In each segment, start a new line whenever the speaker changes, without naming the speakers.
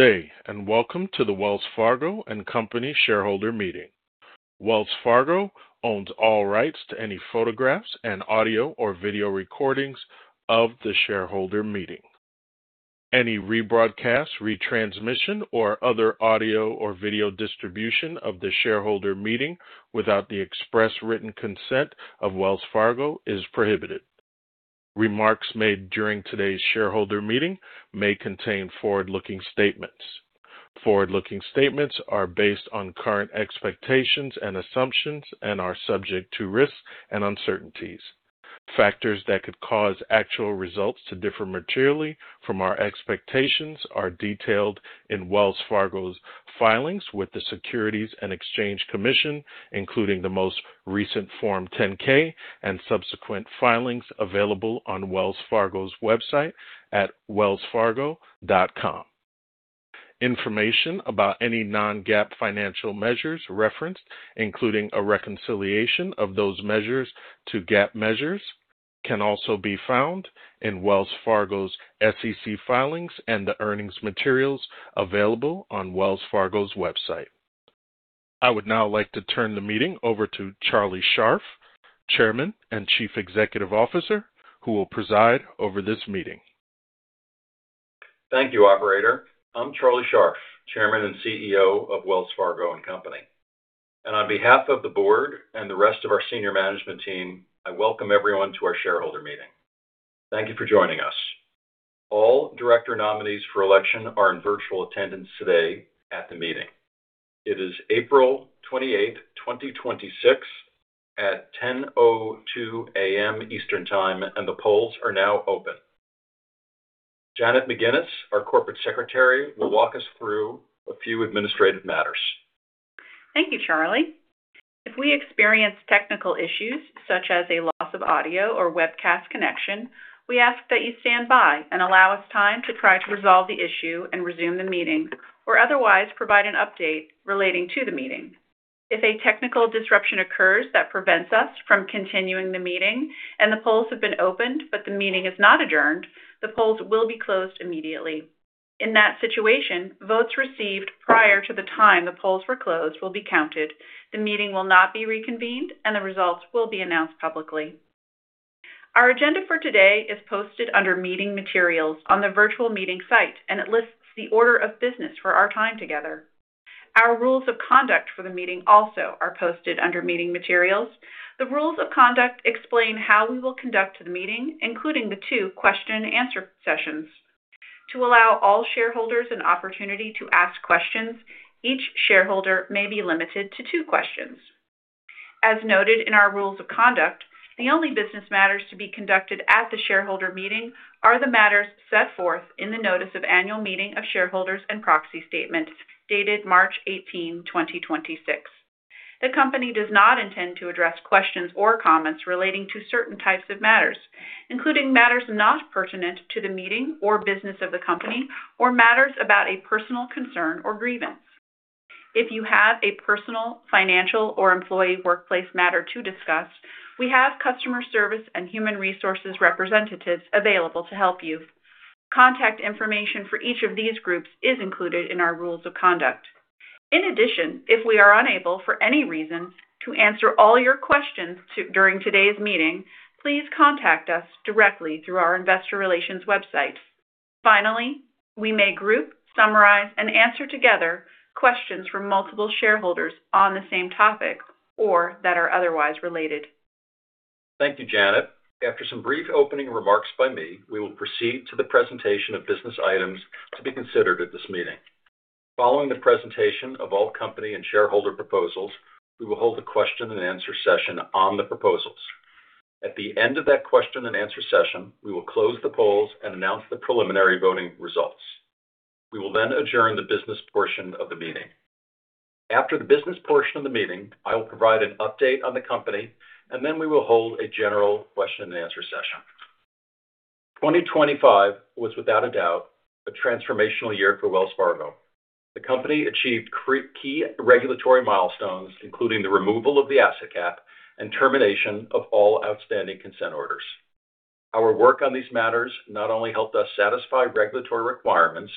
Good day, and welcome to the Wells Fargo & Company shareholder meeting. Wells Fargo owns all rights to any photographs and audio or video recordings of the shareholder meeting. Any rebroadcast, retransmission, or other audio or video distribution of the shareholder meeting without the express written consent of Wells Fargo is prohibited. Remarks made during today's shareholder meeting may contain forward-looking statements. Forward-looking statements are based on current expectations and assumptions and are subject to risks and uncertainties. Factors that could cause actual results to differ materially from our expectations are detailed in Wells Fargo's filings with the Securities and Exchange Commission, including the most recent Form 10-K and subsequent filings available on Wells Fargo's website at wellsfargo.com. Information about any non-GAAP financial measures referenced, including a reconciliation of those measures to GAAP measures, can also be found in Wells Fargo's SEC filings and the earnings materials available on Wells Fargo's website. I would now like to turn the meeting over to Charlie Scharf, Chairman and Chief Executive Officer, who will preside over this meeting.
Thank you, operator. I'm Charlie Scharf, Chairman and CEO of Wells Fargo & Company. On behalf of the board and the rest of our senior management team, I welcome everyone to our shareholder meeting. Thank you for joining us. All Director nominees for election are in virtual attendance today at the meeting. It is April 28th, 2026 at 10:02 A.M. Eastern Time, and the polls are now open. Janet McGinnis, our Corporate Secretary, will walk us through a few administrative matters.
Thank you, Charlie. If we experience technical issues such as a loss of audio or webcast connection, we ask that you stand by and allow us time to try to resolve the issue and resume the meeting or otherwise provide an update relating to the meeting. If a technical disruption occurs that prevents us from continuing the meeting and the polls have been opened but the meeting is not adjourned, the polls will be closed immediately. In that situation, votes received prior to the time the polls were closed will be counted, the meeting will not be reconvened, and the results will be announced publicly. Our agenda for today is posted under Meeting Materials on the virtual meeting site, and it lists the order of business for our time together. Our rules of conduct for the meeting also are posted under Meeting Materials. The rules of conduct explain how we will conduct the meeting, including the two question-and-answer sessions. To allow all shareholders an opportunity to ask questions, each shareholder may be limited to two questions. As noted in our rules of conduct, the only business matters to be conducted at the shareholder meeting are the matters set forth in the Notice of Annual Meeting of Shareholders and Proxy Statement dated 18th March 2026. The company does not intend to address questions or comments relating to certain types of matters, including matters not pertinent to the meeting or business of the company, or matters about a personal concern or grievance. If you have a personal, financial, or employee workplace matter to discuss, we have customer service and human resources representatives available to help you. Contact information for each of these groups is included in our rules of conduct. In addition, if we are unable for any reason to answer all your questions during today's meeting, please contact us directly through our investor relations website. Finally, we may group, summarize, and answer together questions from multiple shareholders on the same topic or that are otherwise related.
Thank you, Janet. After some brief opening remarks by me, we will proceed to the presentation of business items to be considered at this meeting. Following the presentation of all company and shareholder proposals, we will hold a question-and-answer session on the proposals. At the end of that question-and-answer session, we will close the polls and announce the preliminary voting results. We will then adjourn the business portion of the meeting. After the business portion of the meeting, I will provide an update on the company, and then we will hold a general question and answer session. 2025 was without a doubt a transformational year for Wells Fargo. The company achieved key regulatory milestones, including the removal of the asset cap and termination of all outstanding consent orders. Our work on these matters not only helped us satisfy regulatory requirements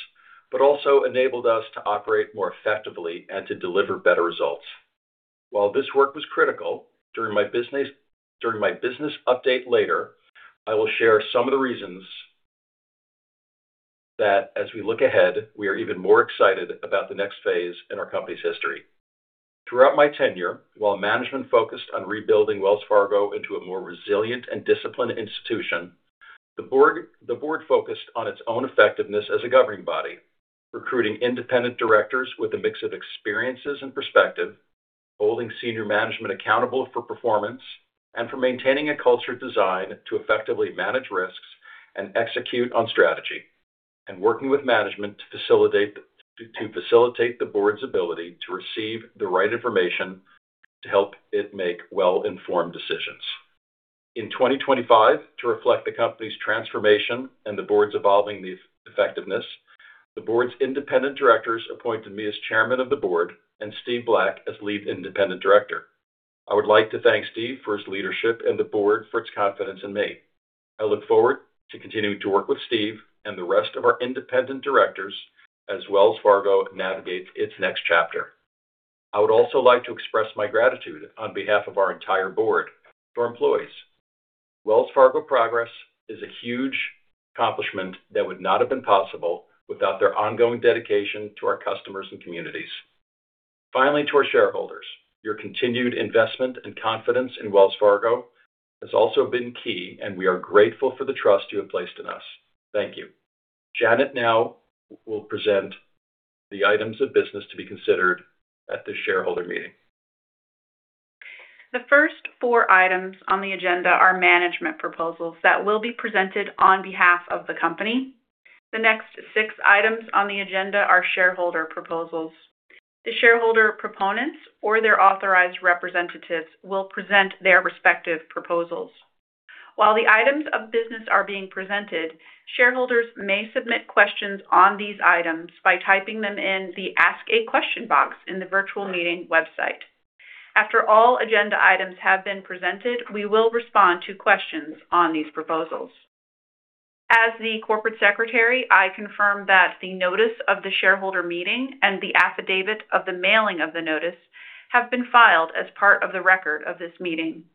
but also enabled us to operate more effectively and to deliver better results. While this work was critical, during my business update later, I will share some of the reasons that as we look ahead, we are even more excited about the next phase in our company's history. Throughout my tenure, while management focused on rebuilding Wells Fargo into a more resilient and disciplined institution. The board focused on its own effectiveness as a governing body, recruiting independent directors with a mix of experiences and perspective, holding senior management accountable for performance and for maintaining a culture designed to effectively manage risks and execute on strategy, and working with management to facilitate the board's ability to receive the right information to help it make well-informed decisions. In 2025, to reflect the company's transformation and the board's evolving effectiveness, the board's independent directors appointed me as Chairman of the Board and Steve Black as Lead Independent Director. I would like to thank Steve for his leadership and the board for its confidence in me. I look forward to continuing to work with Steve and the rest of our independent directors as Wells Fargo navigates its next chapter. I would also like to express my gratitude on behalf of our entire board to our employees. Wells Fargo progress is a huge accomplishment that would not have been possible without their ongoing dedication to our customers and communities. Finally, to our shareholders, your continued investment and confidence in Wells Fargo has also been key, and we are grateful for the trust you have placed in us. Thank you. Janet now will present the items of business to be considered at this shareholder meeting.
The first four items on the agenda are management proposals that will be presented on behalf of the company. The next six items on the agenda are shareholder proposals. The shareholder proponents or their authorized representatives will present their respective proposals. While the items of business are being presented, shareholders may submit questions on these items by typing them in the Ask a Question box in the virtual meeting website. After all agenda items have been presented, we will respond to questions on these proposals. As the Corporate Secretary, I confirm that the notice of the shareholder meeting and the affidavit of the mailing of the notice have been filed as part of the record of this meeting.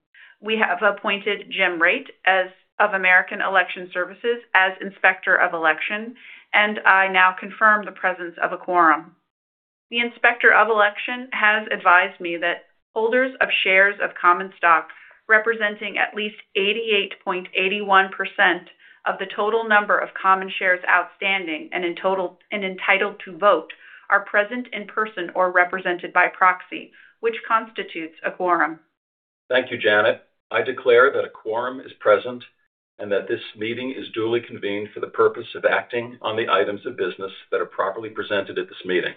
We have appointed Jim Raitt as of American Election Services as Inspector of Election, and I now confirm the presence of a quorum. The Inspector of Election has advised me that holders of shares of common stock representing at least 88.81% of the total number of common shares outstanding and entitled to vote are present in person or represented by proxy, which constitutes a quorum.
Thank you, Janet. I declare that a quorum is present and that this meeting is duly convened for the purpose of acting on the items of business that are properly presented at this meeting.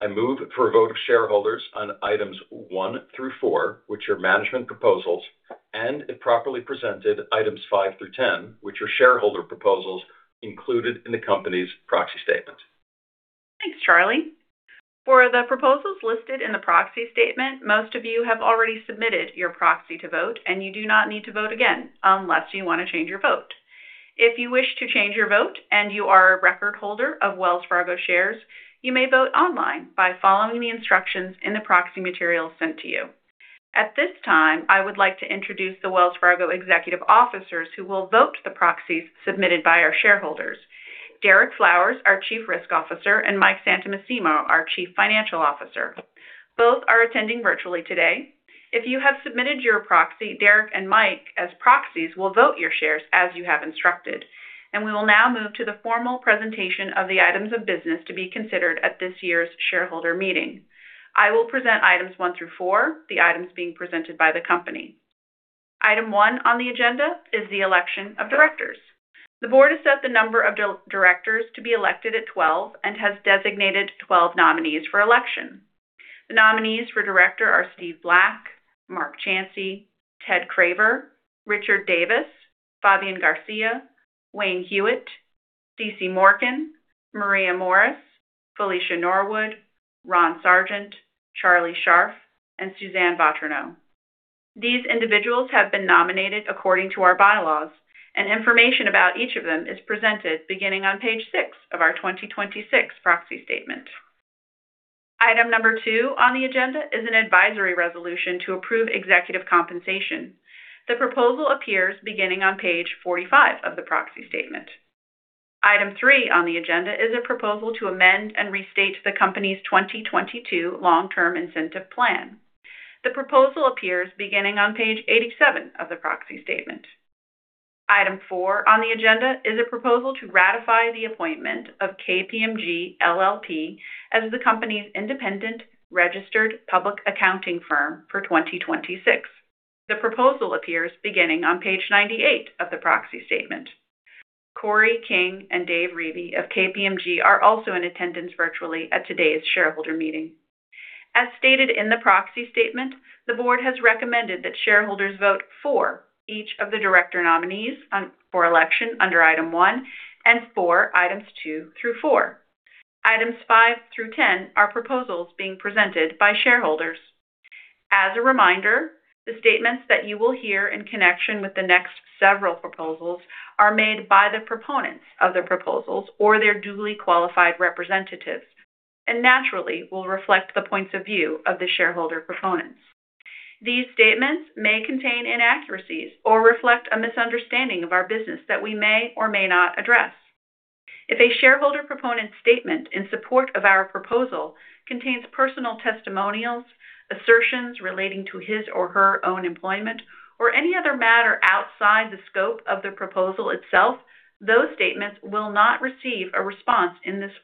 I move for a vote of shareholders on items one through four, which are management proposals, and if properly presented, items five through 10, which are shareholder proposals included in the company's proxy statement.
Thanks, Charlie. For the proposals listed in the proxy statement, most of you have already submitted your proxy to vote, and you do not need to vote again unless you want to change your vote. If you wish to change your vote and you are a record holder of Wells Fargo shares, you may vote online by following the instructions in the proxy materials sent to you. At this time, I would like to introduce the Wells Fargo executive officers who will vote the proxies submitted by our shareholders. Derek Flowers, our Chief Risk Officer, and Mike Santomassimo, our Chief Financial Officer. Both are attending virtually today. If you have submitted your proxy, Derek and Mike, as proxies, will vote your shares as you have instructed. We will now move to the formal presentation of the items of business to be considered at this year's shareholder meeting. I will present items one through four, the items being presented by the company. Item one on the agenda is the election of directors. The board has set the number of directors to be elected at 12 and has designated 12 nominees for election. The nominees for director are Steve Black, Mark Chancy, Theodore Craver, Richard Davis, Fabian Garcia, Wayne Hewett, CeCe Morken, Maria Morris, Felicia Norwood, Ron Sargent, Charlie Scharf, and Suzanne Vautrinot. These individuals have been nominated according to our bylaws, and information about each of them is presented beginning on page six of our 2026 proxy statement. Item number two on the agenda is an advisory resolution to approve executive compensation. The proposal appears beginning on page 45 of the proxy statement. Item three on the agenda is a proposal to amend and restate the company's 2022 long-term incentive plan. The proposal appears beginning on page 87 of the proxy statement. Item four on the agenda is a proposal to ratify the appointment of KPMG LLP as the company's independent registered public accounting firm for 2026. The proposal appears beginning on page 98 of the proxy statement. Corey King and Dave Reavey of KPMG are also in attendance virtually at today's shareholder meeting. As stated in the proxy statement, the board has recommended that shareholders vote for each of the director nominees on, for election under item one and for items two through four. Items five through 10 are proposals being presented by shareholders. As a reminder, the statements that you will hear in connection with the next several proposals are made by the proponents of the proposals or their duly qualified representatives, and naturally will reflect the points of view of the shareholder proponents. These statements may contain inaccuracies or reflect a misunderstanding of our business that we may or may not address. If a shareholder proponent's statement in support of our proposal contains personal testimonials, assertions relating to his or her own employment, or any other matter outside the scope of the proposal itself, those statements will not receive a response in this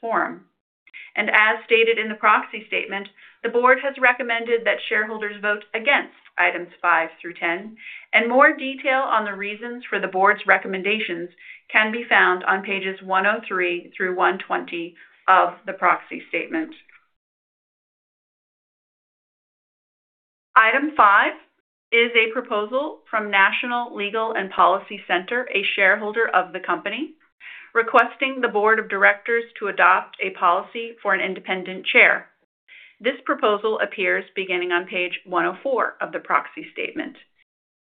forum. As stated in the proxy statement, the board has recommended that shareholders vote against items five through 10, and more detail on the reasons for the board's recommendations can be found on pages 103 through 120 of the proxy statement. Item five is a proposal from National Legal and Policy Center, a shareholder of the company, requesting the board of directors to adopt a policy for an independent chair. This proposal appears beginning on page 104 of the proxy statement.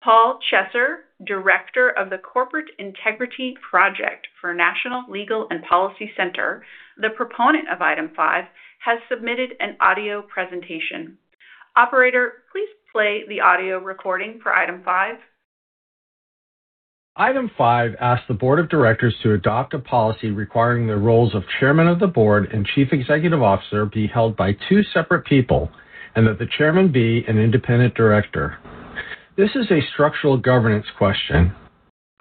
Paul Chesser, Director of the Corporate Integrity Project for National Legal and Policy Center, the proponent of Item five, has submitted an audio presentation. Operator, please play the audio recording for Item five.
Item five asks the Board of Directors to adopt a policy requiring the roles of Chairman of the Board and Chief Executive Officer be held by two separate people, and that the Chairman be an independent director. This is a structural governance question.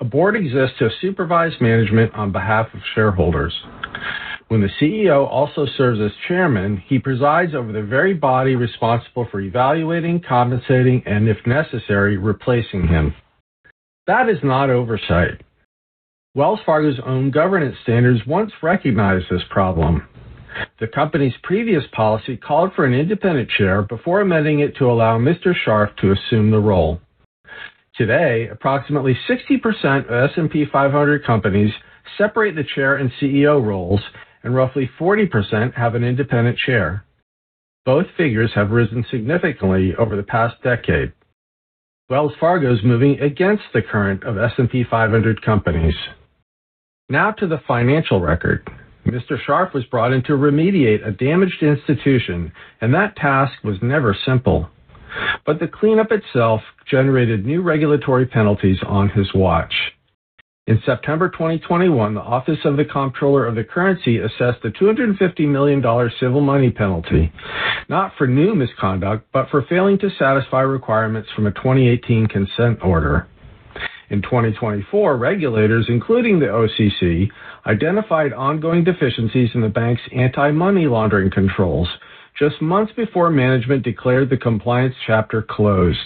A board exists to supervise management on behalf of shareholders. When the CEO also serves as Chairman, he presides over the very body responsible for evaluating, compensating, and, if necessary, replacing him. That is not oversight. Wells Fargo's own governance standards once recognized this problem. The company's previous policy called for an independent chair before amending it to allow Mr. Scharf to assume the role. Today, approximately 60% of S&P 500 companies separate the chair and CEO roles, and roughly 40% have an independent chair. Both figures have risen significantly over the past decade. Wells Fargo is moving against the current of S&P 500 companies. Now to the financial record. Mr. Scharf was brought in to remediate a damaged institution, and that task was never simple. But the cleanup itself generated new regulatory penalties on his watch. In September 2021, the Office of the Comptroller of the Currency assessed a $250 million civil money penalty, not for new misconduct, but for failing to satisfy requirements from a 2018 consent order. In 2024, regulators, including the OCC, identified ongoing deficiencies in the bank's anti-money laundering controls just months before management declared the compliance chapter closed.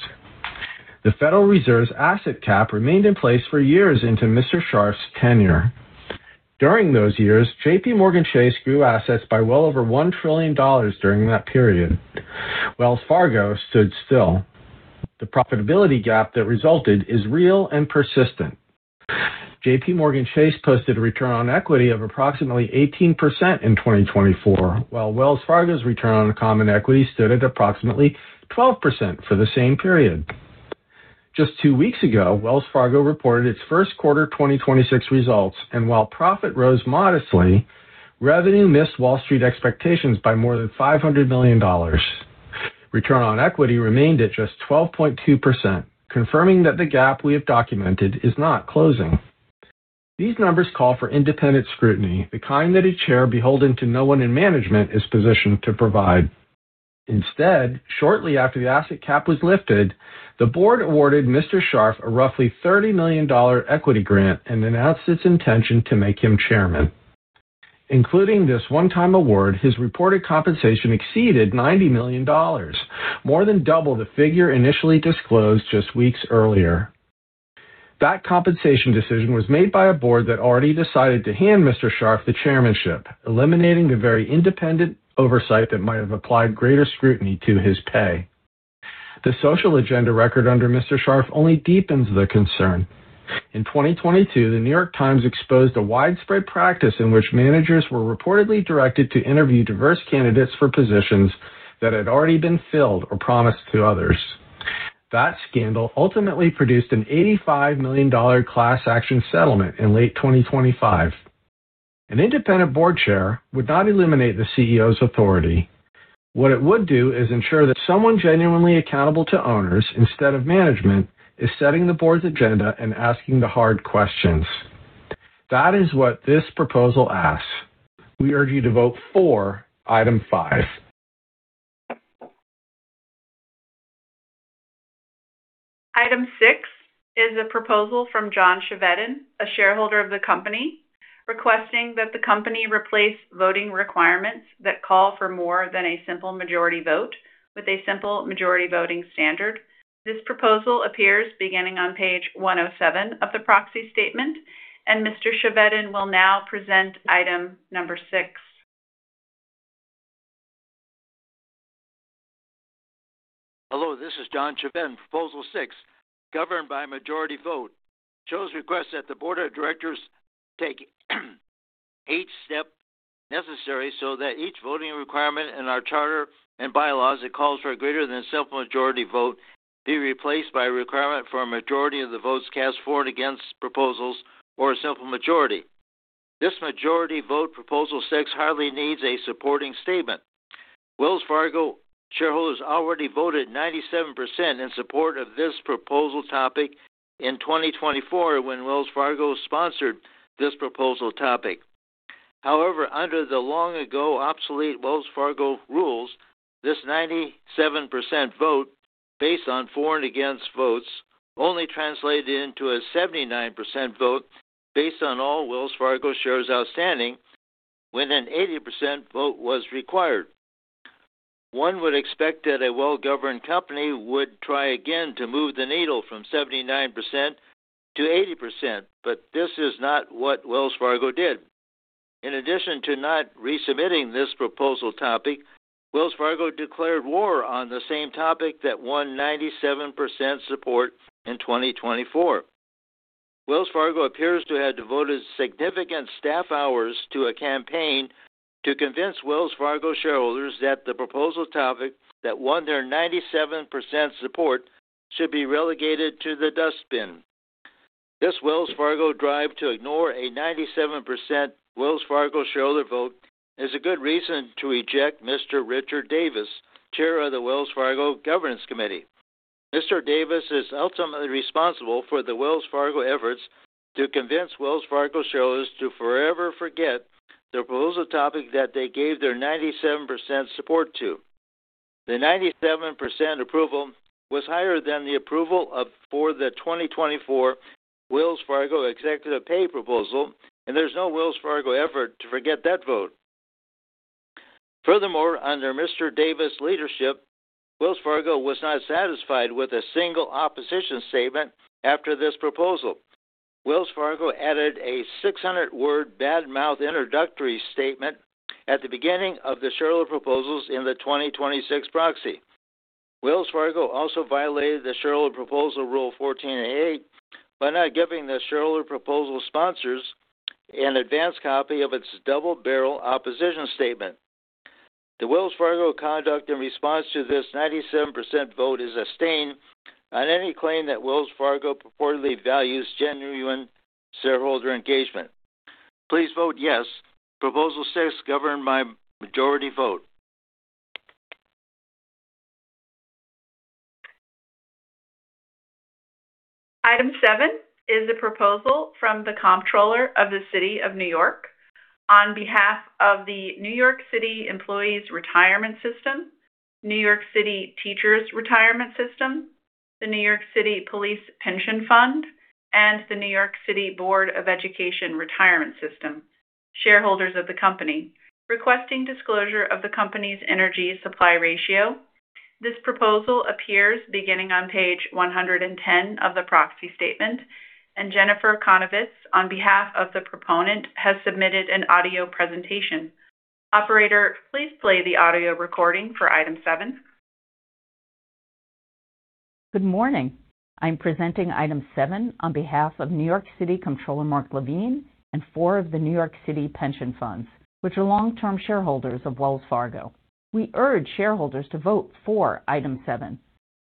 The Federal Reserve's asset cap remained in place for years into Mr. Scharf's tenure. During those years, JPMorgan Chase grew assets by well over $1 trillion during that period. Wells Fargo stood still. The profitability gap that resulted is real and persistent. JPMorgan Chase posted a return on equity of approximately 18% in 2024, while Wells Fargo's return on common equity stood at approximately 12% for the same period. Just two weeks ago, Wells Fargo reported its first quarter 2026 results, and while profit rose modestly, revenue missed Wall Street expectations by more than $500 million. Return on equity remained at just 12.2%, confirming that the gap we have documented is not closing. These numbers call for independent scrutiny, the kind that a chair beholden to no one in management is positioned to provide. Instead, shortly after the asset cap was lifted, the board awarded Mr. Scharf a roughly $30 million equity grant and announced its intention to make him Chairman. Including this one-time award, his reported compensation exceeded $90 million, more than double the figure initially disclosed just weeks earlier. That compensation decision was made by a board that already decided to hand Mr. Scharf the chairmanship, eliminating the very independent oversight that might have applied greater scrutiny to his pay. The social agenda record under Mr. Scharf only deepens the concern. In 2022, The New York Times exposed a widespread practice in which managers were reportedly directed to interview diverse candidates for positions that had already been filled or promised to others. That scandal ultimately produced an $85 million class action settlement in late 2025. An independent board chair would not eliminate the CEO's authority. What it would do is ensure that someone genuinely accountable to owners instead of management is setting the board's agenda and asking the hard questions. That is what this proposal asks. We urge you to vote for Item five.
Item six is a proposal from John Chevedden, a shareholder of the company, requesting that the company replace voting requirements that call for more than a simple majority vote with a simple majority voting standard. This proposal appears beginning on page 107 of the proxy statement, and Mr. Chevedden will now present item number six.
Hello, this is John Chevedden. Proposal six, governed by majority vote, shows request that the board of directors take each step necessary so that each voting requirement in our charter and bylaws that calls for a greater than simple majority vote be replaced by a requirement for a majority of the votes cast for and against proposals or a simple majority. This majority vote proposal six hardly needs a supporting statement. Wells Fargo shareholders already voted 97% in support of this proposal topic in 2024 when Wells Fargo sponsored this proposal topic. However, under the long ago obsolete Wells Fargo rules, this 97% vote based on for and against votes only translated into a 79% vote based on all Wells Fargo shares outstanding when an 80% vote was required. One would expect that a well-governed company would try again to move the needle from 79%-80%, but this is not what Wells Fargo did. In addition to not resubmitting this proposal topic, Wells Fargo declared war on the same topic that won 97% support in 2024. Wells Fargo appears to have devoted significant staff hours to a campaign to convince Wells Fargo shareholders that the proposal topic that won their 97% support should be relegated to the dustbin. This Wells Fargo drive to ignore a 97% Wells Fargo shareholder vote is a good reason to eject Mr. Richard Davis, chair of the Wells Fargo Governance Committee. Mr. Davis is ultimately responsible for the Wells Fargo efforts to convince Wells Fargo shareholders to forever forget the proposal topic that they gave their 97% support to. The 97% approval was higher than the approval for the 2024 Wells Fargo executive pay proposal, and there's no Wells Fargo effort to forget that vote. Furthermore, under Mr. Davis' leadership, Wells Fargo was not satisfied with a single opposition statement after this proposal. Wells Fargo added a 600-word bad mouth introductory statement at the beginning of the shareholder proposals in the 2026 proxy. Wells Fargo also violated the shareholder proposal Rule 14a-8 by not giving the shareholder proposal sponsors an advance copy of its double-barrel opposition statement. The Wells Fargo conduct in response to this 97% vote is a stain on any claim that Wells Fargo purportedly values genuine shareholder engagement. Please vote yes. Proposal six governed by majority vote.
Item seven is a proposal from the Comptroller of the City of New York on behalf of the New York City Employees' Retirement System, New York City Teachers' Retirement System, the New York City Police Pension Fund, and the New York City Board of Education Retirement System, shareholders of the company, requesting disclosure of the company's energy supply ratio. This proposal appears beginning on page 110 of the proxy statement. Jennifer Konovitz, on behalf of the proponent, has submitted an audio presentation. Operator, please play the audio recording for item seven.
Good morning. I'm presenting item seven on behalf of New York City Comptroller Mark Levine and four of the New York City pension funds, which are long-term shareholders of Wells Fargo. We urge shareholders to vote for item seven,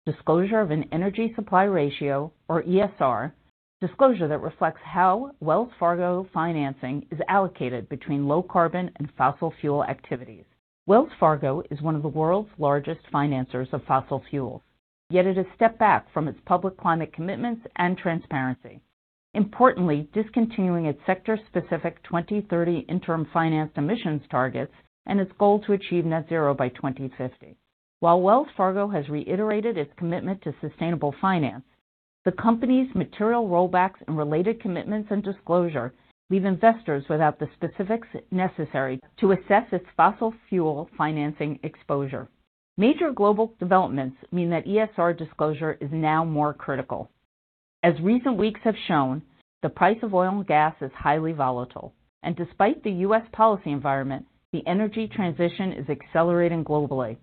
disclosure of an energy supply ratio, or ESR, disclosure that reflects how Wells Fargo financing is allocated between low carbon and fossil fuel activities. Wells Fargo is one of the world's largest financers of fossil fuels, yet it has stepped back from its public climate commitments and transparency, importantly discontinuing its sector-specific 2030 interim financed emissions targets and its goal to achieve net zero by 2050. While Wells Fargo has reiterated its commitment to sustainable finance, the company's material rollbacks and related commitments and disclosure leave investors without the specifics necessary to assess its fossil fuel financing exposure. Major global developments mean that ESR disclosure is now more critical. As recent weeks have shown, the price of oil and gas is highly volatile, and despite the U.S. policy environment, the energy transition is accelerating globally.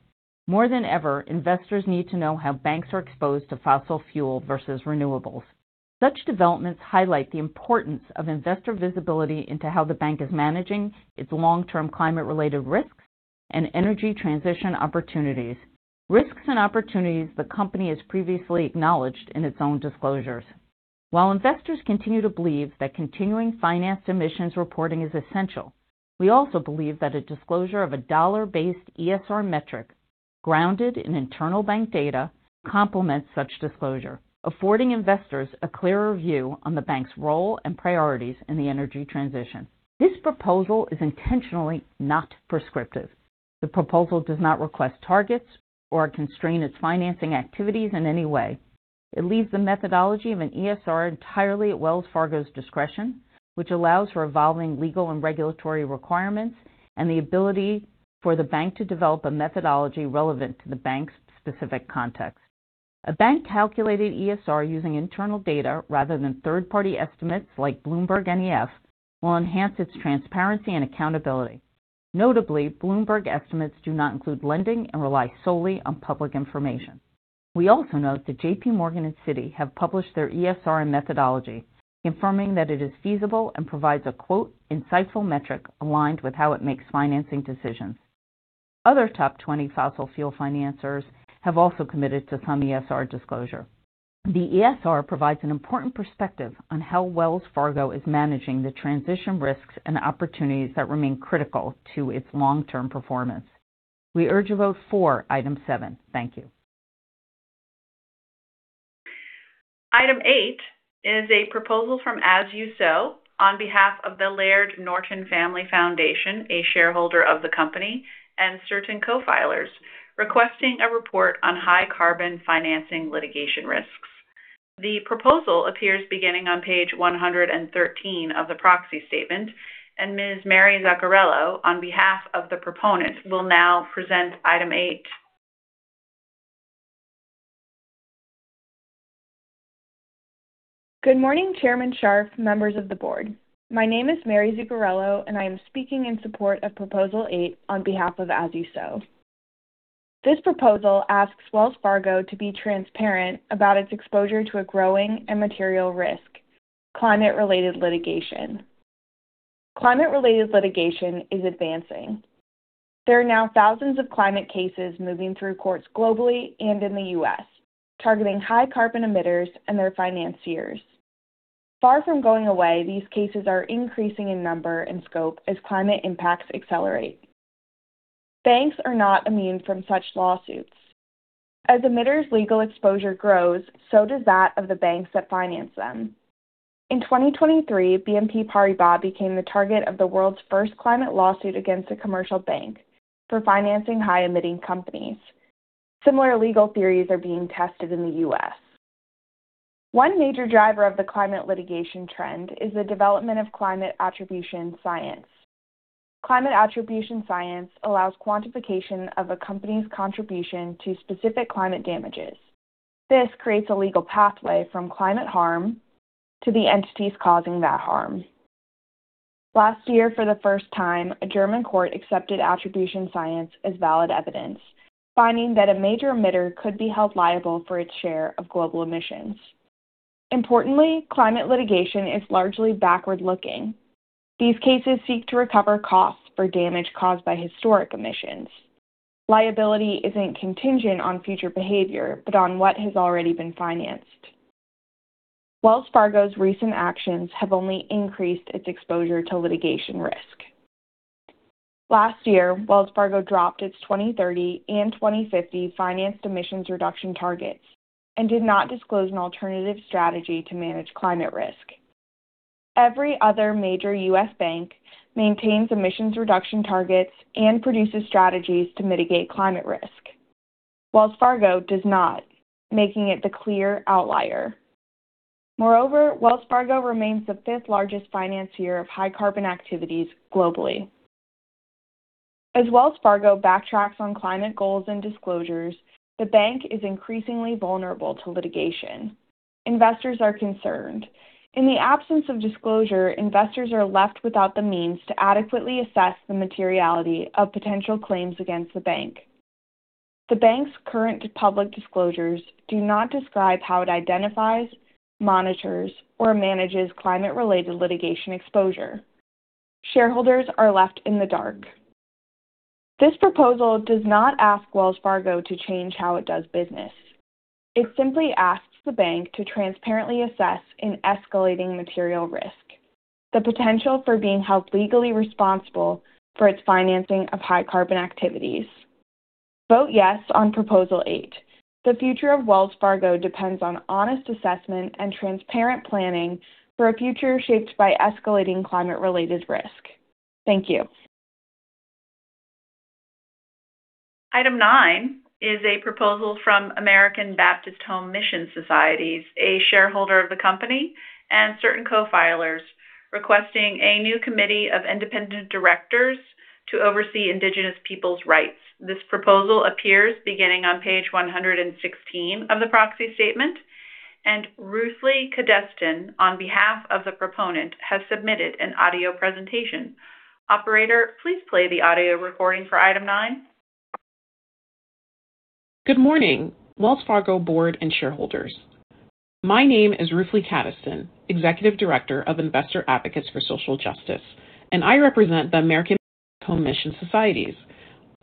More than ever, investors need to know how banks are exposed to fossil fuel versus renewables. Such developments highlight the importance of investor visibility into how the bank is managing its long-term climate-related risks and energy transition opportunities, risks and opportunities the company has previously acknowledged in its own disclosures. While investors continue to believe that continuing financed emissions reporting is essential, we also believe that a disclosure of a dollar-based ESR metric grounded in internal bank data complements such disclosure, affording investors a clearer view on the bank's role and priorities in the energy transition. This proposal is intentionally not prescriptive. The proposal does not request targets or constrain its financing activities in any way. It leaves the methodology of an ESR entirely at Wells Fargo's discretion, which allows for evolving legal and regulatory requirements and the ability for the bank to develop a methodology relevant to the bank's specific context. A bank-calculated ESR using internal data rather than third-party estimates like BloombergNEF will enhance its transparency and accountability. Notably, Bloomberg estimates do not include lending and rely solely on public information. We also note that JPMorgan and Citi have published their ESR methodology, confirming that it is feasible and provides a, quote, insightful metric aligned with how it makes financing decisions. Other top 20 fossil fuel financers have also committed to some ESR disclosure. The ESR provides an important perspective on how Wells Fargo is managing the transition risks and opportunities that remain critical to its long-term performance. We urge a vote for item seven. Thank you.
Item eight is a proposal from As You Sow on behalf of the Laird Norton Family Foundation, a shareholder of the company, and certain co-filers requesting a report on high-carbon financing litigation risks. The proposal appears beginning on page 113 of the proxy statement. Ms. Mary Zuccarello, on behalf of the proponents, will now present item eight.
Good morning, Chairman Scharf, members of the board. My name is Mary Zuccarello, and I am speaking in support of Proposal eight on behalf of As You Sow. This proposal asks Wells Fargo to be transparent about its exposure to a growing and material risk, climate related litigation. Climate related litigation is advancing. There are now thousands of climate cases moving through courts globally and in the U.S. targeting high carbon emitters and their financiers. Far from going away, these cases are increasing in number and scope as climate impacts accelerate. Banks are not immune from such lawsuits. As emitters' legal exposure grows, so does that of the banks that finance them. In 2023, BNP Paribas became the target of the world's first climate lawsuit against a commercial bank for financing high emitting companies. Similar legal theories are being tested in the U.S. One major driver of the climate litigation trend is the development of climate attribution science. Climate attribution science allows quantification of a company's contribution to specific climate damages. This creates a legal pathway from climate harm to the entities causing that harm. Last year, for the first time, a German court accepted attribution science as valid evidence, finding that a major emitter could be held liable for its share of global emissions. Importantly, climate litigation is largely backward-looking. These cases seek to recover costs for damage caused by historic emissions. Liability isn't contingent on future behavior, but on what has already been financed. Wells Fargo's recent actions have only increased its exposure to litigation risk. Last year, Wells Fargo dropped its 2030 and 2050 financed emissions reduction targets and did not disclose an alternative strategy to manage climate risk. Very other major U.S. bank maintains emissions reduction targets and produces strategies to mitigate climate risk. Wells Fargo does not, making it the clear outlier. Wells Fargo remains the fifth largest financier of high-carbon activities globally. As Wells Fargo backtracks on climate goals and disclosures, the bank is increasingly vulnerable to litigation. Investors are concerned. In the absence of disclosure, investors are left without the means to adequately assess the materiality of potential claims against the bank. The bank's current public disclosures do not describe how it identifies, monitors, or manages climate-related litigation exposure. Shareholders are left in the dark. This proposal does not ask Wells Fargo to change how it does business. It simply asks the bank to transparently assess an escalating material risk, the potential for being held legally responsible for its financing of high-carbon activities. Vote yes on Proposal eight. The future of Wells Fargo depends on honest assessment and transparent planning for a future shaped by escalating climate-related risk. Thank you.
Item eight is a proposal from American Baptist Home Mission Societies, a shareholder of the company, and certain co-filers requesting a new committee of independent directors to oversee Indigenous Peoples rights. This proposal appears beginning on page 116 of the proxy statement, and Ruthly Cadestin, on behalf of the proponent, has submitted an audio presentation. Operator, please play the audio recording for item eight.
Good morning, Wells Fargo board and shareholders. My name is Ruthly Cadestin, executive director of Investor Advocates for Social Justice, and I represent the American Baptist Home Mission Societies.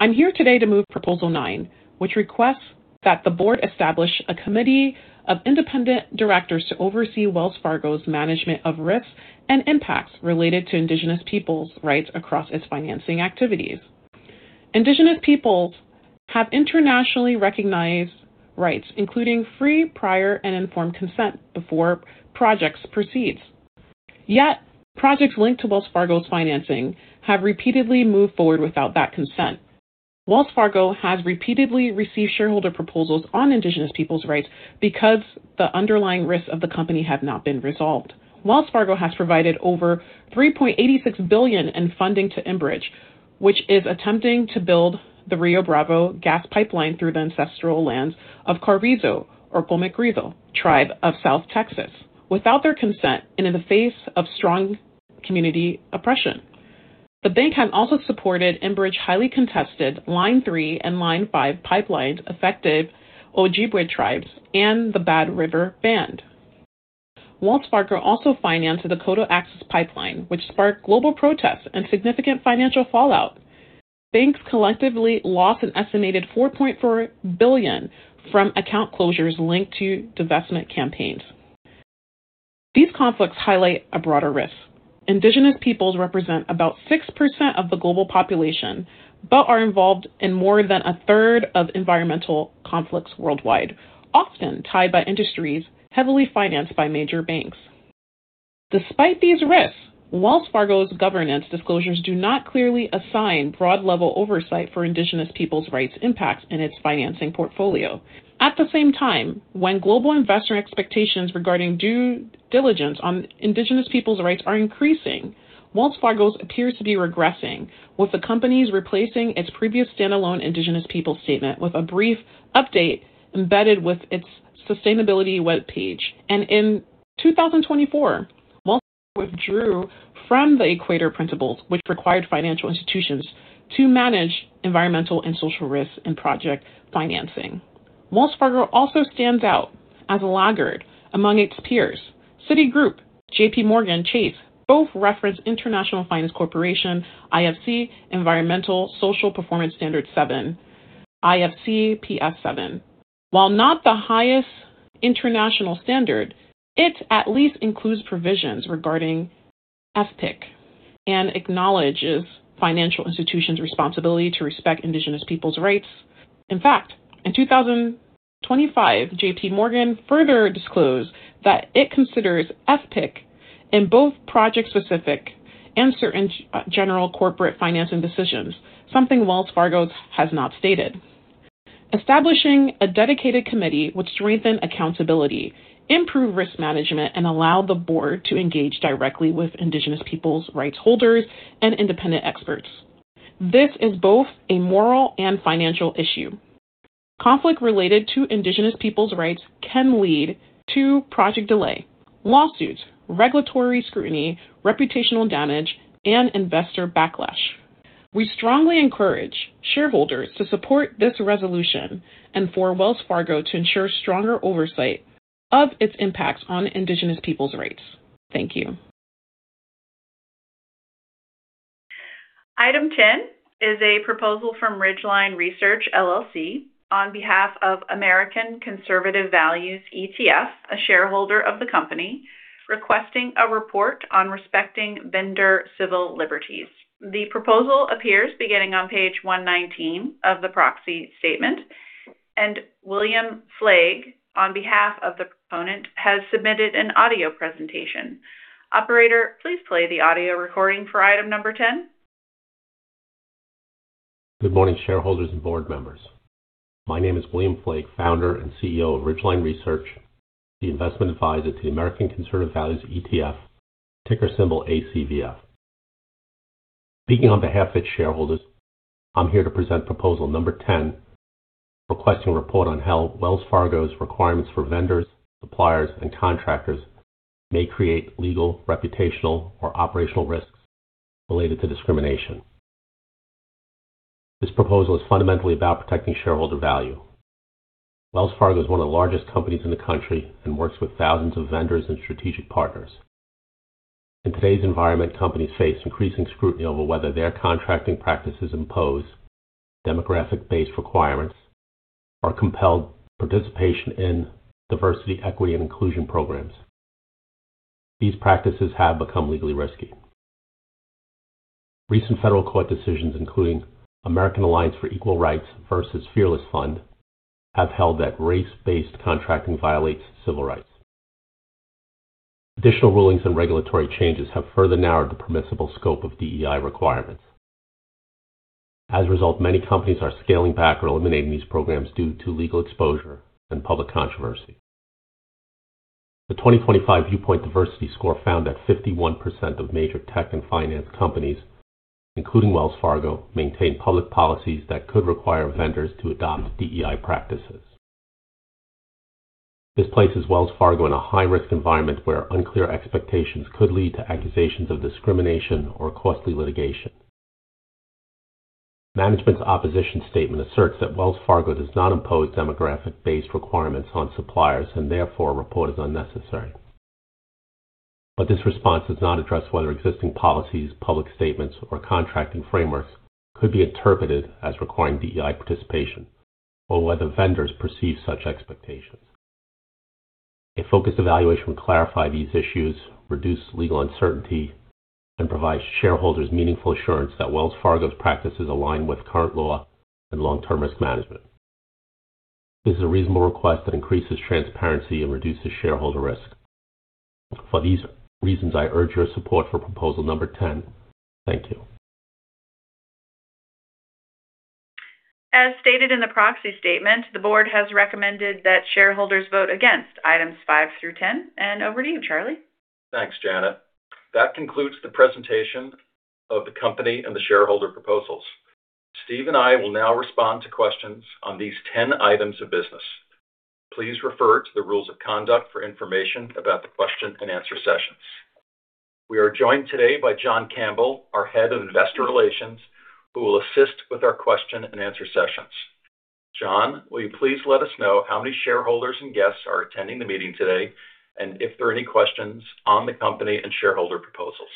I'm here today to move Proposal 9, which requests that the board establish a committee of independent directors to oversee Wells Fargo's management of risks and impacts related to Indigenous Peoples rights across its financing activities. Indigenous Peoples have internationally recognized rights, including free, prior, and informed consent before projects proceeds. Projects linked to Wells Fargo's financing have repeatedly moved forward without that consent. Wells Fargo has repeatedly received shareholder proposals on Indigenous Peoples rights because the underlying risks of the company have not been resolved. Wells Fargo has provided over $3.86 billion in funding to Enbridge, which is attempting to build the Rio Bravo gas pipeline through the ancestral lands of Carrizo/Comecrudo Tribe of South Texas without their consent and in the face of strong community oppression. The bank has also supported Enbridge highly contested Line three and Line five pipelines affecting Ojibwe tribes and the Bad River Band. Wells Fargo also financed the Dakota Access pipeline, which sparked global protests and significant financial fallout. Banks collectively lost an estimated $4.4 billion from account closures linked to divestment campaigns. These conflicts highlight a broader risk. Indigenous peoples represent about 6% of the global population, but are involved in more than a third of environmental conflicts worldwide, often tied to industries heavily financed by major banks. Despite these risks, Wells Fargo's governance disclosures do not clearly assign broad level oversight for Indigenous Peoples' rights impacts in its financing portfolio. At the same time, when global investor expectations regarding due diligence on Indigenous Peoples' rights are increasing, Wells Fargo appears to be regressing, with the company replacing its previous standalone Indigenous Peoples' statement with a brief update embedded with its sustainability webpage. In 2024, Wells Fargo withdrew from the Equator Principles, which required financial institutions to manage environmental and social risks in project financing. Wells Fargo also stands out as a laggard among its peers. Citigroup, JPMorgan Chase both reference International Finance Corporation, IFC, Environmental Social Performance Standard 7, IFC-PS7. While not the highest international standard, it at least includes provisions regarding FPIC and acknowledges financial institutions' responsibility to respect Indigenous Peoples' rights. In fact, in 2025, JPMorgan further disclosed that it considers FPIC in both project-specific and certain general corporate financing decisions, something Wells Fargo has not stated. Establishing a dedicated committee would strengthen accountability, improve risk management, and allow the board to engage directly with Indigenous Peoples' rights holders and independent experts. This is both a moral and financial issue. Conflict related to Indigenous Peoples' rights can lead to project delay, lawsuits, regulatory scrutiny, reputational damage, and investor backlash. We strongly encourage shareholders to support this resolution and for Wells Fargo to ensure stronger oversight of its impact on Indigenous Peoples' rights. Thank you.
Item 10 is a proposal from Ridgeline Research LLC on behalf of American Conservative Values ETF, a shareholder of the company, requesting a report on respecting vendor civil liberties. The proposal appears beginning on page 119 of the proxy statement, and William Flaig, on behalf of the proponent, has submitted an audio presentation. Operator, please play the audio recording for item 10.
Good morning, shareholders and board members. My name is William Flaig, founder and CEO of Ridgeline Research LLC, the investment advisor to the American Conservative Values ETF, ticker symbol ACVF. Speaking on behalf of its shareholders, I'm here to present proposal number 10, requesting a report on how Wells Fargo's requirements for vendors, suppliers, and contractors may create legal, reputational, or operational risks related to discrimination. This proposal is fundamentally about protecting shareholder value. Wells Fargo is one of the largest companies in the country and works with thousands of vendors and strategic partners. In today's environment, companies face increasing scrutiny over whether their contracting practices impose demographic-based requirements or compelled participation in diversity, equity, and inclusion programs. These practices have become legally risky. Recent federal court decisions, including American Alliance for Equal Rights versus Fearless Fund, have held that race-based contracting violates civil rights. Additional rulings and regulatory changes have further narrowed the permissible scope of DEI requirements. As a result, many companies are scaling back or eliminating these programs due to legal exposure and public controversy. The 2025 Viewpoint Diversity Score found that 51% of major tech and finance companies, including Wells Fargo, maintain public policies that could require vendors to adopt DEI practices. This places Wells Fargo in a high-risk environment where unclear expectations could lead to accusations of discrimination or costly litigation. Management's opposition statement asserts that Wells Fargo does not impose demographic-based requirements on suppliers and therefore a report is unnecessary. This response does not address whether existing policies, public statements, or contracting frameworks could be interpreted as requiring DEI participation or whether vendors perceive such expectations. A focused evaluation would clarify these issues, reduce legal uncertainty, and provide shareholders meaningful assurance that Wells Fargo's practices align with current law and long-term risk management. This is a reasonable request that increases transparency and reduces shareholder risk. For these reasons, I urge your support for proposal number 10. Thank you.
As stated in the proxy statement, the board has recommended that shareholders vote against items five through ten. Over to you, Charlie.
Thanks, Janet. That concludes the presentation of the company and the shareholder proposals. Steve and I will now respond to questions on these 10 items of business. Please refer to the rules of conduct for information about the question-and-answer sessions. We are joined today by John Campbell, our head of investor relations, who will assist with our question and answer sessions. John, will you please let us know how many shareholders and guests are attending the meeting today, and if there are any questions on the company and shareholder proposals?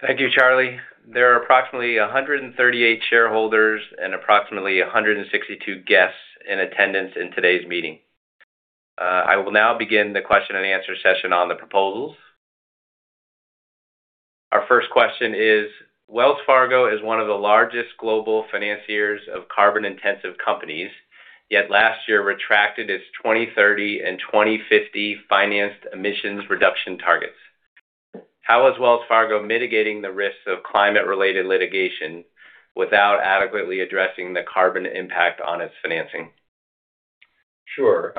Thank you, Charlie. There are approximately 138 shareholders and approximately 162 guests in attendance in today's meeting. I will now begin the question and answer session on the proposals. Our first question is, Wells Fargo is one of the largest global financiers of carbon-intensive companies, yet last year retracted its 2030 and 2050 financed emissions reduction targets. How is Wells Fargo mitigating the risks of climate-related litigation without adequately addressing the carbon impact on its financing?
Sure.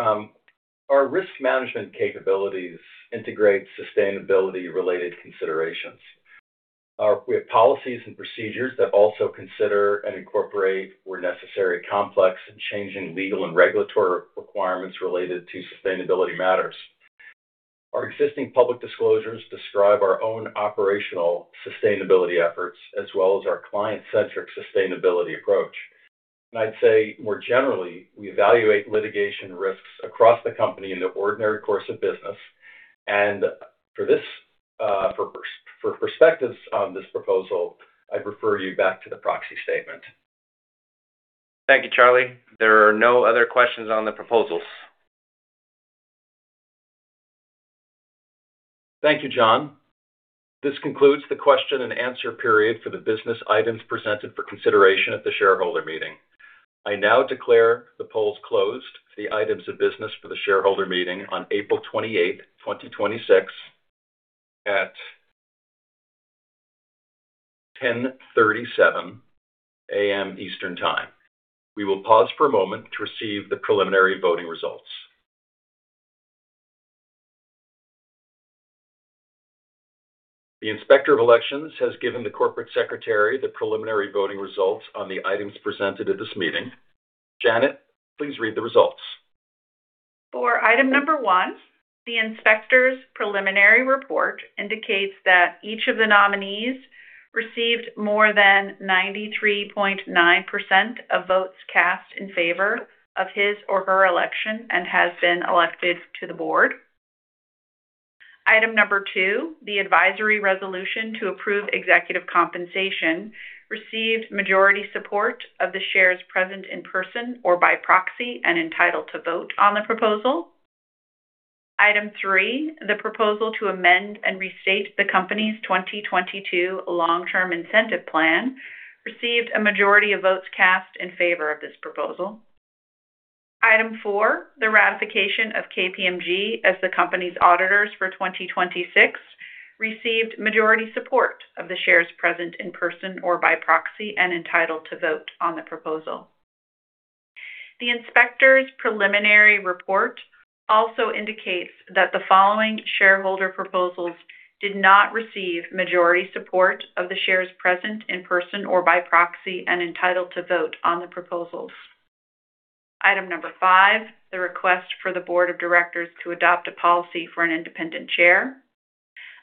Our risk management capabilities integrate sustainability-related considerations. We have policies and procedures that also consider and incorporate, where necessary, complex and changing legal and regulatory requirements related to sustainability matters. Our existing public disclosures describe our own operational sustainability efforts, as well as our client-centric sustainability approach. I'd say more generally, we evaluate litigation risks across the company in the ordinary course of business. For this, for perspectives on this proposal, I'd refer you back to the proxy statement.
Thank you, Charlie. There are no other questions on the proposals.
Thank you, John. This concludes the question and answer period for the business items presented for consideration at the shareholder meeting. I now declare the polls closed for the items of business for the shareholder meeting on April 28th, 2026 at 10:37 A.M. Eastern Time. We will pause for a moment to receive the preliminary voting results. The Inspector of Elections has given the Corporate Secretary the preliminary voting results on the items presented at this meeting. Janet, please read the results.
For item number one, the inspector's preliminary report indicates that each of the nominees received more than 93.9% of votes cast in favor of his or her election and has been elected to the board. Item number two, the advisory resolution to approve executive compensation received majority support of the shares present in person or by proxy and entitled to vote on the proposal. Item three, the proposal to amend and restate the company's 2022 long-term incentive plan received a majority of votes cast in favor of this proposal. Item four, the ratification of KPMG as the company's auditors for 2026 received majority support of the shares present in person or by proxy and entitled to vote on the proposal. The inspector's preliminary report also indicates that the following shareholder proposals did not receive majority support of the shares present in person or by proxy and entitled to vote on the proposals. Item number five, the request for the board of directors to adopt a policy for an independent chair.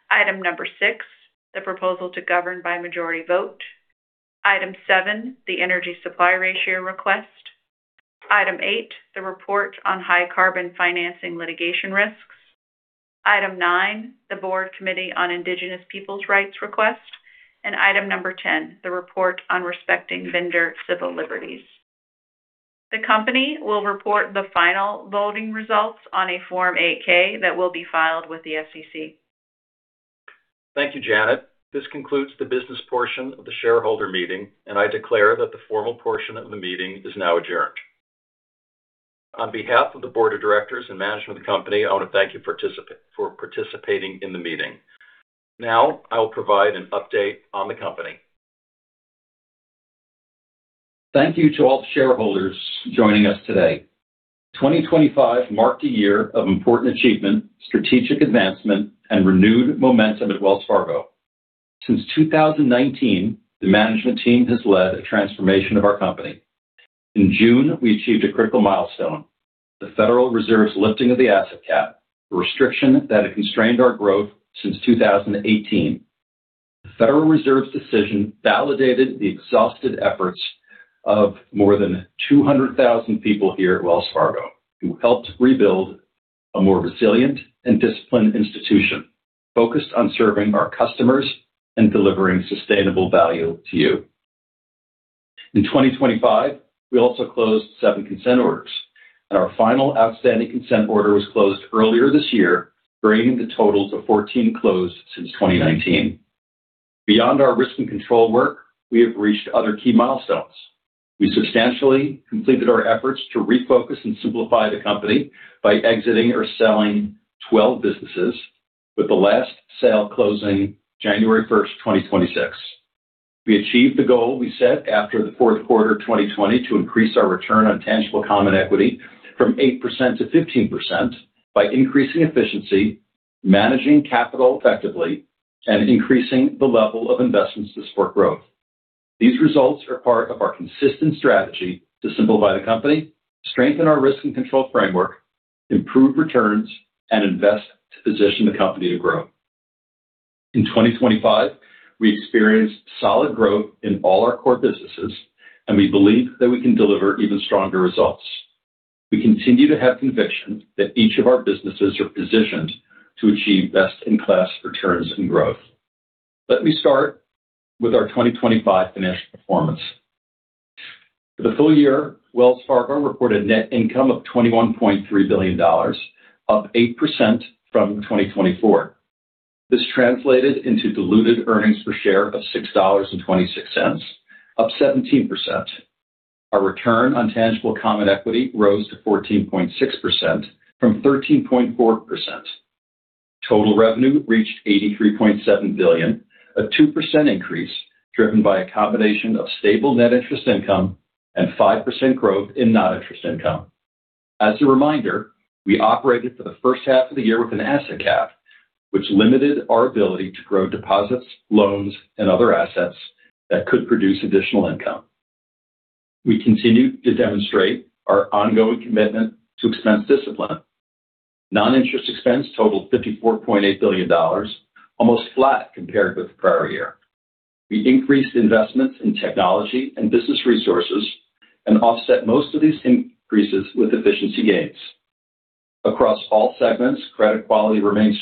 Item number six, the proposal to govern by majority vote. Item seven, the energy supply ratio request. Item eight, the report on high-carbon financing litigation risks. Item nine, the board committee on Indigenous Peoples' rights request. Item number 10, the report on respecting vendor civil liberties. The company will report the final voting results on a Form 8-K that will be filed with the SEC.
Thank you, Janet. This concludes the business portion of the shareholder meeting, and I declare that the formal portion of the meeting is now adjourned. On behalf of the board of directors and management of the company, I want to thank you for participating in the meeting. Now I will provide an update on the company. Thank you to all the shareholders joining us today. 2025 marked a year of important achievement, strategic advancement, and renewed momentum at Wells Fargo. Since 2019, the management team has led a transformation of our company. In June, we achieved a critical milestone, the Federal Reserve's lifting of the asset cap, a restriction that had constrained our growth since 2018. The Federal Reserve's decision validated the exhausted efforts of more than 200,000 people here at Wells Fargo who helped rebuild a more resilient and disciplined institution focused on serving our customers and delivering sustainable value to you. In 2025, we also closed seven consent orders, and our final outstanding consent order was closed earlier this year, bringing the total to 14 closed since 2019. Beyond our risk and control work, we have reached other key milestones. We substantially completed our efforts to refocus and simplify the company by exiting or selling 12 businesses, with the last sale closing January 1st, 2026. We achieved the goal we set after the fourth quarter of 2020 to increase our return on tangible common equity from 8%-5% by increasing efficiency, managing capital effectively, and increasing the level of investments to support growth. These results are part of our consistent strategy to simplify the company, strengthen our risk and control framework, improve returns, and invest to position the company to grow. In 2025, we experienced solid growth in all our core businesses, and we believe that we can deliver even stronger results. We continue to have convic tion that each of our businesses are positioned to achieve best-in-class returns and growth. Let me start with our 2025 financial performance. For the full year, Wells Fargo reported net income of $21.3 billion, up 8% from 2024. This translated into diluted earnings per share of $6.26, up 17%. Our return on tangible common equity rose to 14.6% from 13.4%. Total revenue reached $83.7 billion, a 2% increase driven by a combination of stable net interest income and 5% growth in non-interest income. As a reminder, we operated for the first half of the year with an asset cap, which limited our ability to grow deposits, loans, and other assets that could produce additional income. We continued to demonstrate our ongoing commitment to expense discipline. Non-interest expense totaled $54.8 billion, almost flat compared with the prior year. We increased investments in technology and business resources and offset most of these increases with efficiency gains. Across all segments, credit quality remained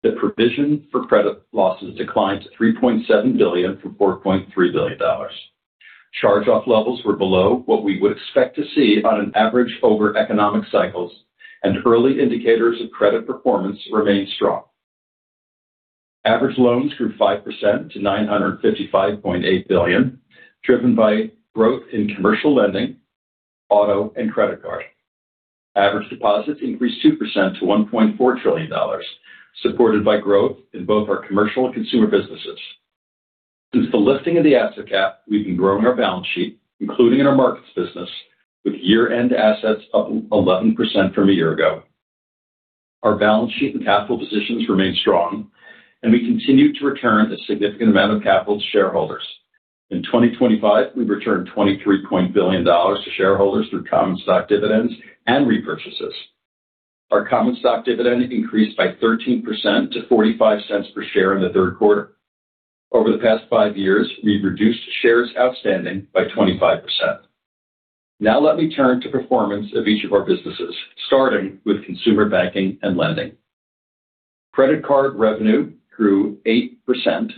strong. The provision for credit losses declined to $3.7 billion from $4.3 billion. Charge-off levels were below what we would expect to see on an average over economic cycles, and early indicators of credit performance remained strong. Average loans grew 5% to $955.8 billion, driven by growth in commercial lending, auto, and credit card. Average deposits increased 2% to $1.4 trillion, supported by growth in both our commercial and consumer businesses. Since the lifting of the asset cap, we've been growing our balance sheet, including in our markets business, with year-end assets up 11% from a year ago. Our balance sheet and capital positions remain strong, and we continue to return a significant amount of capital to shareholders. In 2025, we returned $23 billion to shareholders through common stock dividends and repurchases. Our common stock dividend increased by 13% to $0.45 per share in the third quarter. Over the past five years, we've reduced shares outstanding by 25%. Let me turn to performance of each of our businesses, starting with consumer banking and lending. Credit card revenue grew 8%,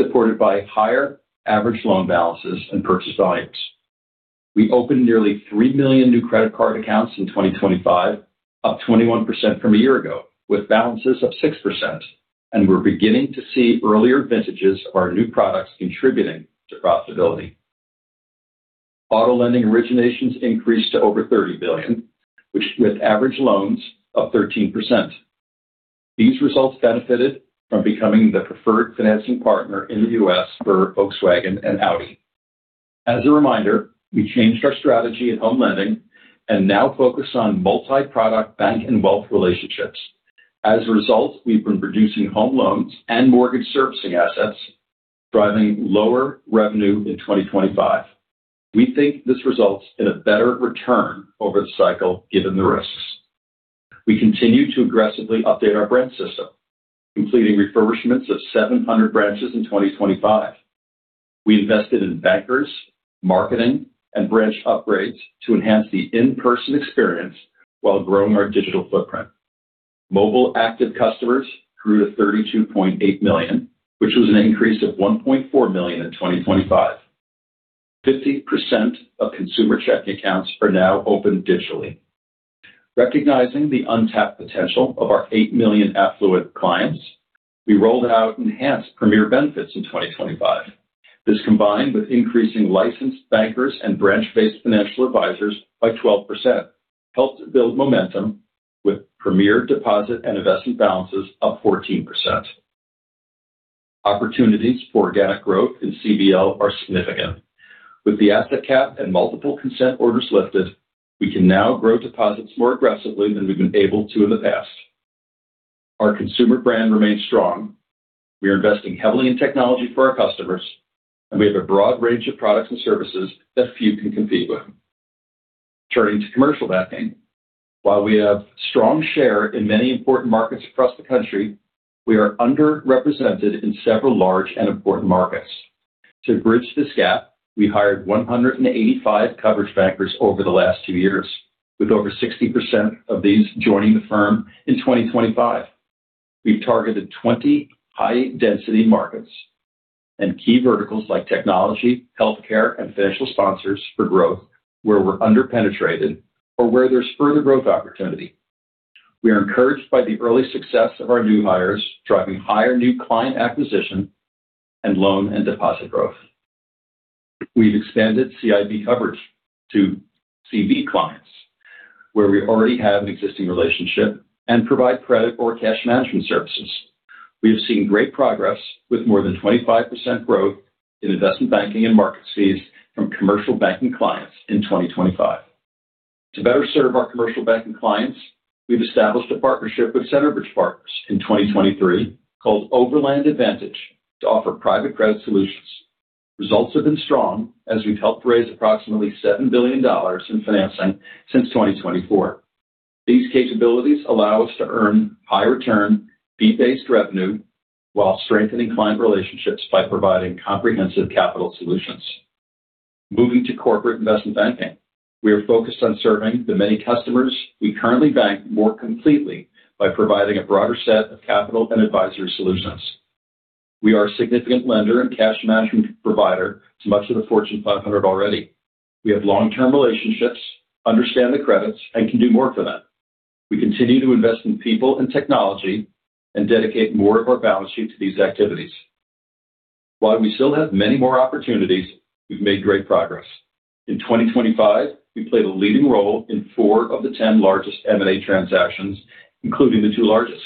supported by higher average loan balances and purchase volumes. We opened nearly 3 million new credit card accounts in 2025, up 21% from a year ago, with balances up 6%, and we're beginning to see earlier vintages of our new products contributing to profitability. Auto lending originations increased to over $30 billion, which with average loans up 13%. These results benefited from becoming the preferred financing partner in the U.S. for Volkswagen and Audi. As a reminder, we changed our strategy at Home Lending and now focus on multi-product bank and wealth relationships. As a result, we've been reducing home loans and mortgage servicing assets, driving lower revenue in 2025. We think this results in a better return over the cycle given the risks. We continue to aggressively update our brand system, completing refurbishments of 700 branches in 2025. We invested in bankers, marketing, and branch upgrades to enhance the in-person experience while growing our digital footprint. Mobile active customers grew to 32.8 million, which was an increase of 1.4 million in 2025. 50% of consumer checking accounts are now opened digitally. Recognizing the untapped potential of our 8 million affluent clients, we rolled out enhanced premier benefits in 2025. This, combined with increasing licensed bankers and branch-based financial advisors by 12%, helped build momentum with premier deposit and investment balances up 14%. Opportunities for organic growth in CBL are significant. With the asset cap and multiple consent orders lifted, we can now grow deposits more aggressively than we've been able to in the past. Our consumer brand remains strong. We are investing heavily in technology for our customers, and we have a broad range of products and services that few can compete with. Turning to commercial banking. While we have strong share in many important markets across the country, we are underrepresented in several large and important markets. To bridge this gap, we hired 185 coverage bankers over the last two years, with over 60% of these joining the firm in 2025. We've targeted 20 high-density markets and key verticals like technology, healthcare, and financial sponsors for growth where we're under-penetrated or where there's further growth opportunity. We are encouraged by the early success of our new hires, driving higher new client acquisition and loan and deposit growth. We've expanded CIB coverage to CB clients, where we already have an existing relationship and provide credit or cash management services. We have seen great progress with more than 25% growth in investment banking and market fees from commercial banking clients in 2025. To better serve our commercial banking clients, we've established a partnership with Centerbridge Partners in 2023 called Overland Advantage to offer private credit solutions. Results have been strong as we've helped raise approximately $7 billion in financing since 2024. These capabilities allow us to earn high return, fee-based revenue while strengthening client relationships by providing comprehensive capital solutions. Moving to corporate investment banking. We are focused on serving the many customers we currently bank more completely by providing a broader set of capital and advisory solutions. We are a significant lender and cash management provider to much of the Fortune 500 already. We have long-term relationships, understand the credits, and can do more for them. We continue to invest in people and technology and dedicate more of our balance sheet to these activities. While we still have many more opportunities, we've made great progress. In 2025, we played a leading role in four of the 10 largest M&A transactions, including the two largest.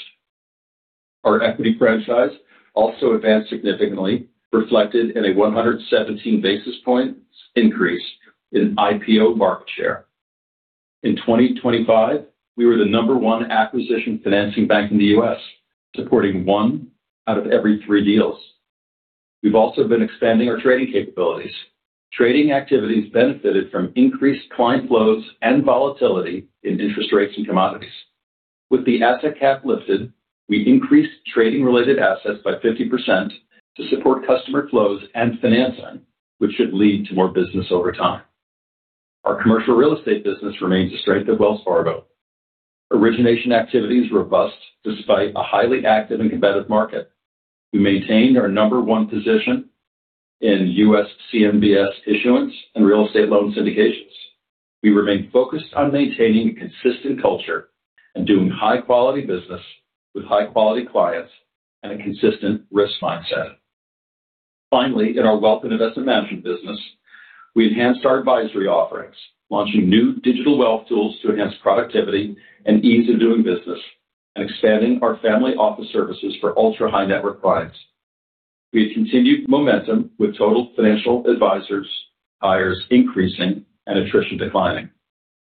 Our equity franchise also advanced significantly, reflected in a 117 basis points increase in IPO market share. In 2025, we were the number one acquisition financing bank in the U.S., supporting one out of every three deals. We've also been expanding our trading capabilities. Trading activities benefited from increased client flows and volatility in interest rates and commodities. With the asset cap lifted, we increased trading-related assets by 50% to support customer flows and financing, which should lead to more business over time. Our commercial real estate business remains a strength of Wells Fargo. Origination activity is robust despite a highly active and competitive market. We maintained our number one position in U.S. CMBS issuance and real estate loan syndications. We remain focused on maintaining a consistent culture and doing high-quality business with high-quality clients and a consistent risk mindset. Finally, in our wealth and investment management business, we enhanced our advisory offerings, launching new digital wealth tools to enhance productivity and ease of doing business, and expanding our family office services for ultra-high-net-worth clients. We have continued momentum with total financial advisors, hires increasing and attrition declining.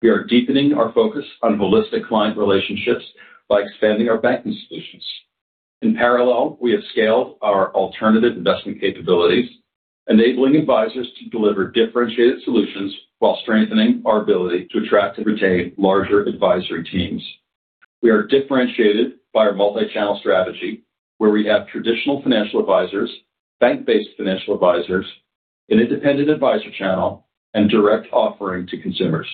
We are deepening our focus on holistic client relationships by expanding our banking solutions. In parallel, we have scaled our alternative investment capabilities, enabling advisors to deliver differentiated solutions while strengthening our ability to attract and retain larger advisory teams. We are differentiated by our multi-channel strategy, where we have traditional financial advisors, bank-based financial advisors, an independent advisor channel, and direct offering to consumers.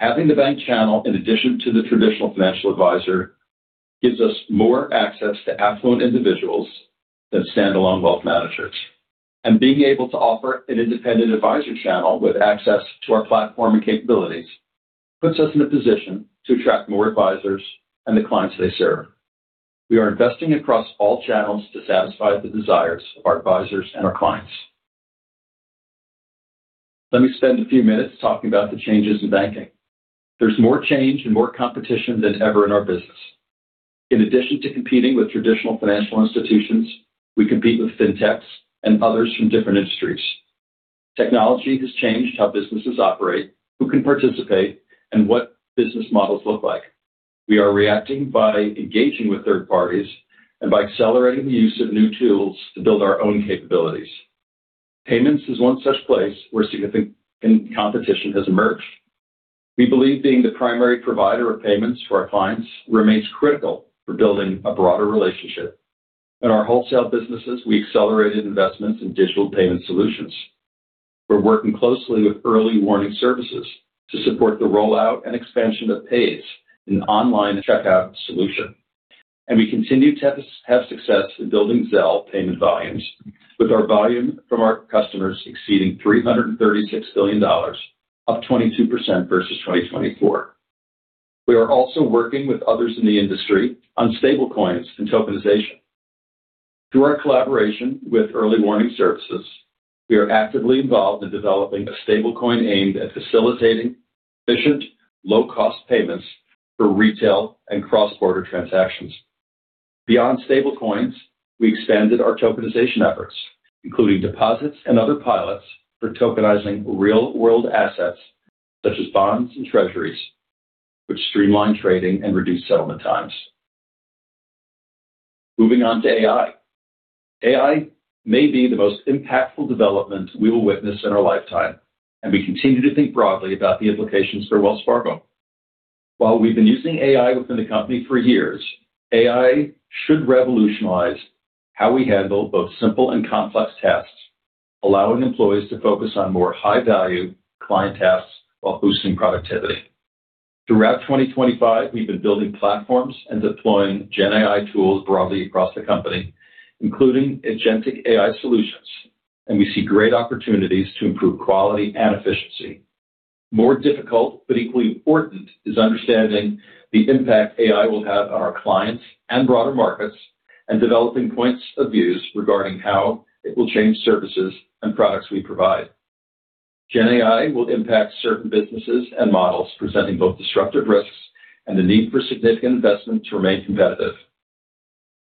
Having the bank channel in addition to the traditional financial advisor gives us more access to affluent individuals than standalone wealth managers. Being able to offer an independent advisor channel with access to our platform and capabilities puts us in a position to attract more advisors and the clients they serve. We are investing across all channels to satisfy the desires of our advisors and our clients. Let me spend a few minutes talking about the changes in banking. There's more change and more competition than ever in our business. In addition to competing with traditional financial institutions, we compete with fintechs and others from different industries. Technology has changed how businesses operate, who can participate, and what business models look like. We are reacting by engaging with third parties and by accelerating the use of new tools to build our own capabilities. Payments is one such place where significant competition has emerged. We believe being the primary provider of payments for our clients remains critical for building a broader relationship. In our wholesale businesses, we accelerated investments in digital payment solutions. We're working closely with Early Warning Services to support the rollout and expansion of Paze, an online checkout solution. We continue to have success in building Zelle payment volumes, with our volume from our customers exceeding $336 billion, up 22% versus 2024. We are also working with others in the industry on stablecoins and tokenization. Through our collaboration with Early Warning Services, we are actively involved in developing a stablecoin aimed at facilitating efficient, low-cost payments for retail and cross-border transactions. Beyond stablecoins, we expanded our tokenization efforts, including deposits and other pilots for tokenizing real-world assets such as bonds and treasuries, which streamline trading and reduce settlement times. Moving on to AI. AI may be the most impactful development we will witness in our lifetime, and we continue to think broadly about the implications for Wells Fargo. While we've been using AI within the company for years, AI should revolutionize how we handle both simple and complex tasks, allowing employees to focus on more high-value client tasks while boosting productivity. Throughout 2025, we've been building platforms and deploying GenAI tools broadly across the company, including agentic AI solutions, and we see great opportunities to improve quality and efficiency. More difficult, but equally important, is understanding the impact AI will have on our clients and broader markets and developing points of views regarding how it will change services and products we provide. GenAI will impact certain businesses and models, presenting both disruptive risks and the need for significant investment to remain competitive.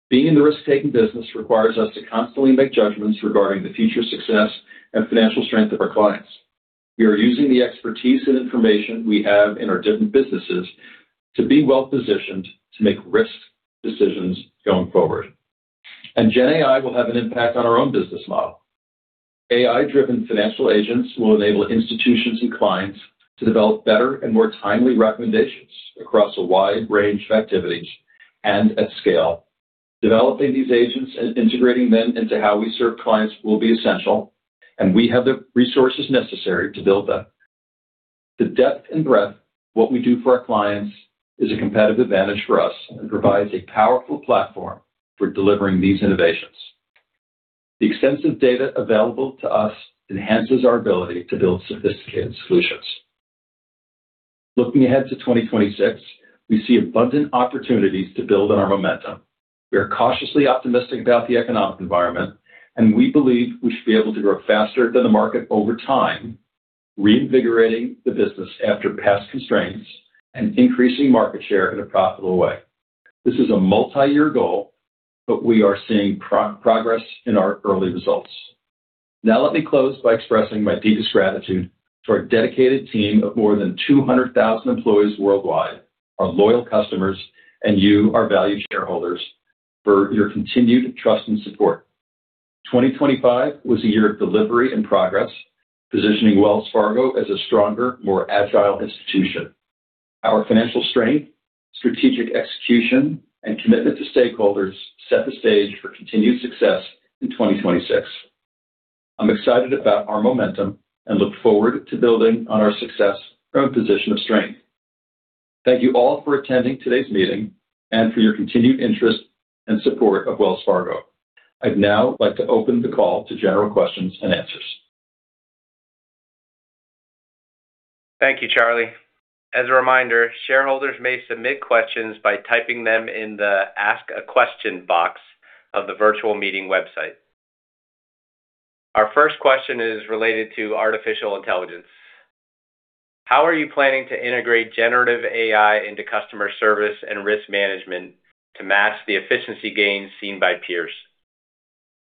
Being in the risk-taking business requires us to constantly make judgments regarding the future success and financial strength of our clients. We are using the expertise and information we have in our different businesses to be well-positioned to make risk decisions going forward. GenAI will have an impact on our own business model. AI-driven financial agents will enable institutions and clients to develop better and more timely recommendations across a wide range of activities and at scale. Developing these agents and integrating them into how we serve clients will be essential, and we have the resources necessary to build them. The depth and breadth of what we do for our clients is a competitive advantage for us and provides a powerful platform for delivering these innovations. The extensive data available to us enhances our ability to build sophisticated solutions. Looking ahead to 2026, we see abundant opportunities to build on our momentum. We are cautiously optimistic about the economic environment. We believe we should be able to grow faster than the market over time, reinvigorating the business after past constraints and increasing market share in a profitable way. This is a multi-year goal. We are seeing progress in our early results. Let me close by expressing my deepest gratitude to our dedicated team of more than 200,000 employees worldwide, our loyal customers, and you, our valued shareholders, for your continued trust and support. 2025 was a year of delivery and progress, positioning Wells Fargo as a stronger, more agile institution. Our financial strength, strategic execution, and commitment to stakeholders set the stage for continued success in 2026. I'm excited about our momentum and look forward to building on our success from a position of strength. Thank you all for attending today's meeting and for your continued interest and support of Wells Fargo. I'd now like to open the call to general questions-and-answers.
Thank you, Charlie. As a reminder, shareholders may submit questions by typing them in the Ask a Question box of the Virtual Meeting website. Our first question is related to artificial intelligence. How are you planning to integrate generative AI into customer service and risk management to match the efficiency gains seen by peers?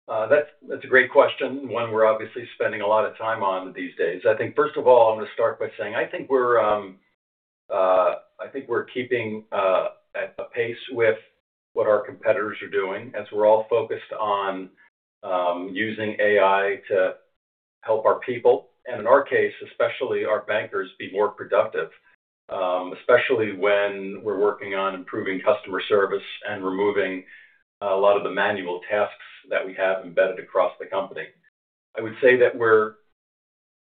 That's a great question, one we're obviously spending a lot of time on these days. I think first of all, I'm going to start by saying, I think we're keeping a pace with what our competitors are doing as we're all focused on using AI to help our people, and in our case, especially our bankers, be more productive, especially when we're working on improving customer service and removing a lot of the manual tasks that we have embedded across the company. I would say that we're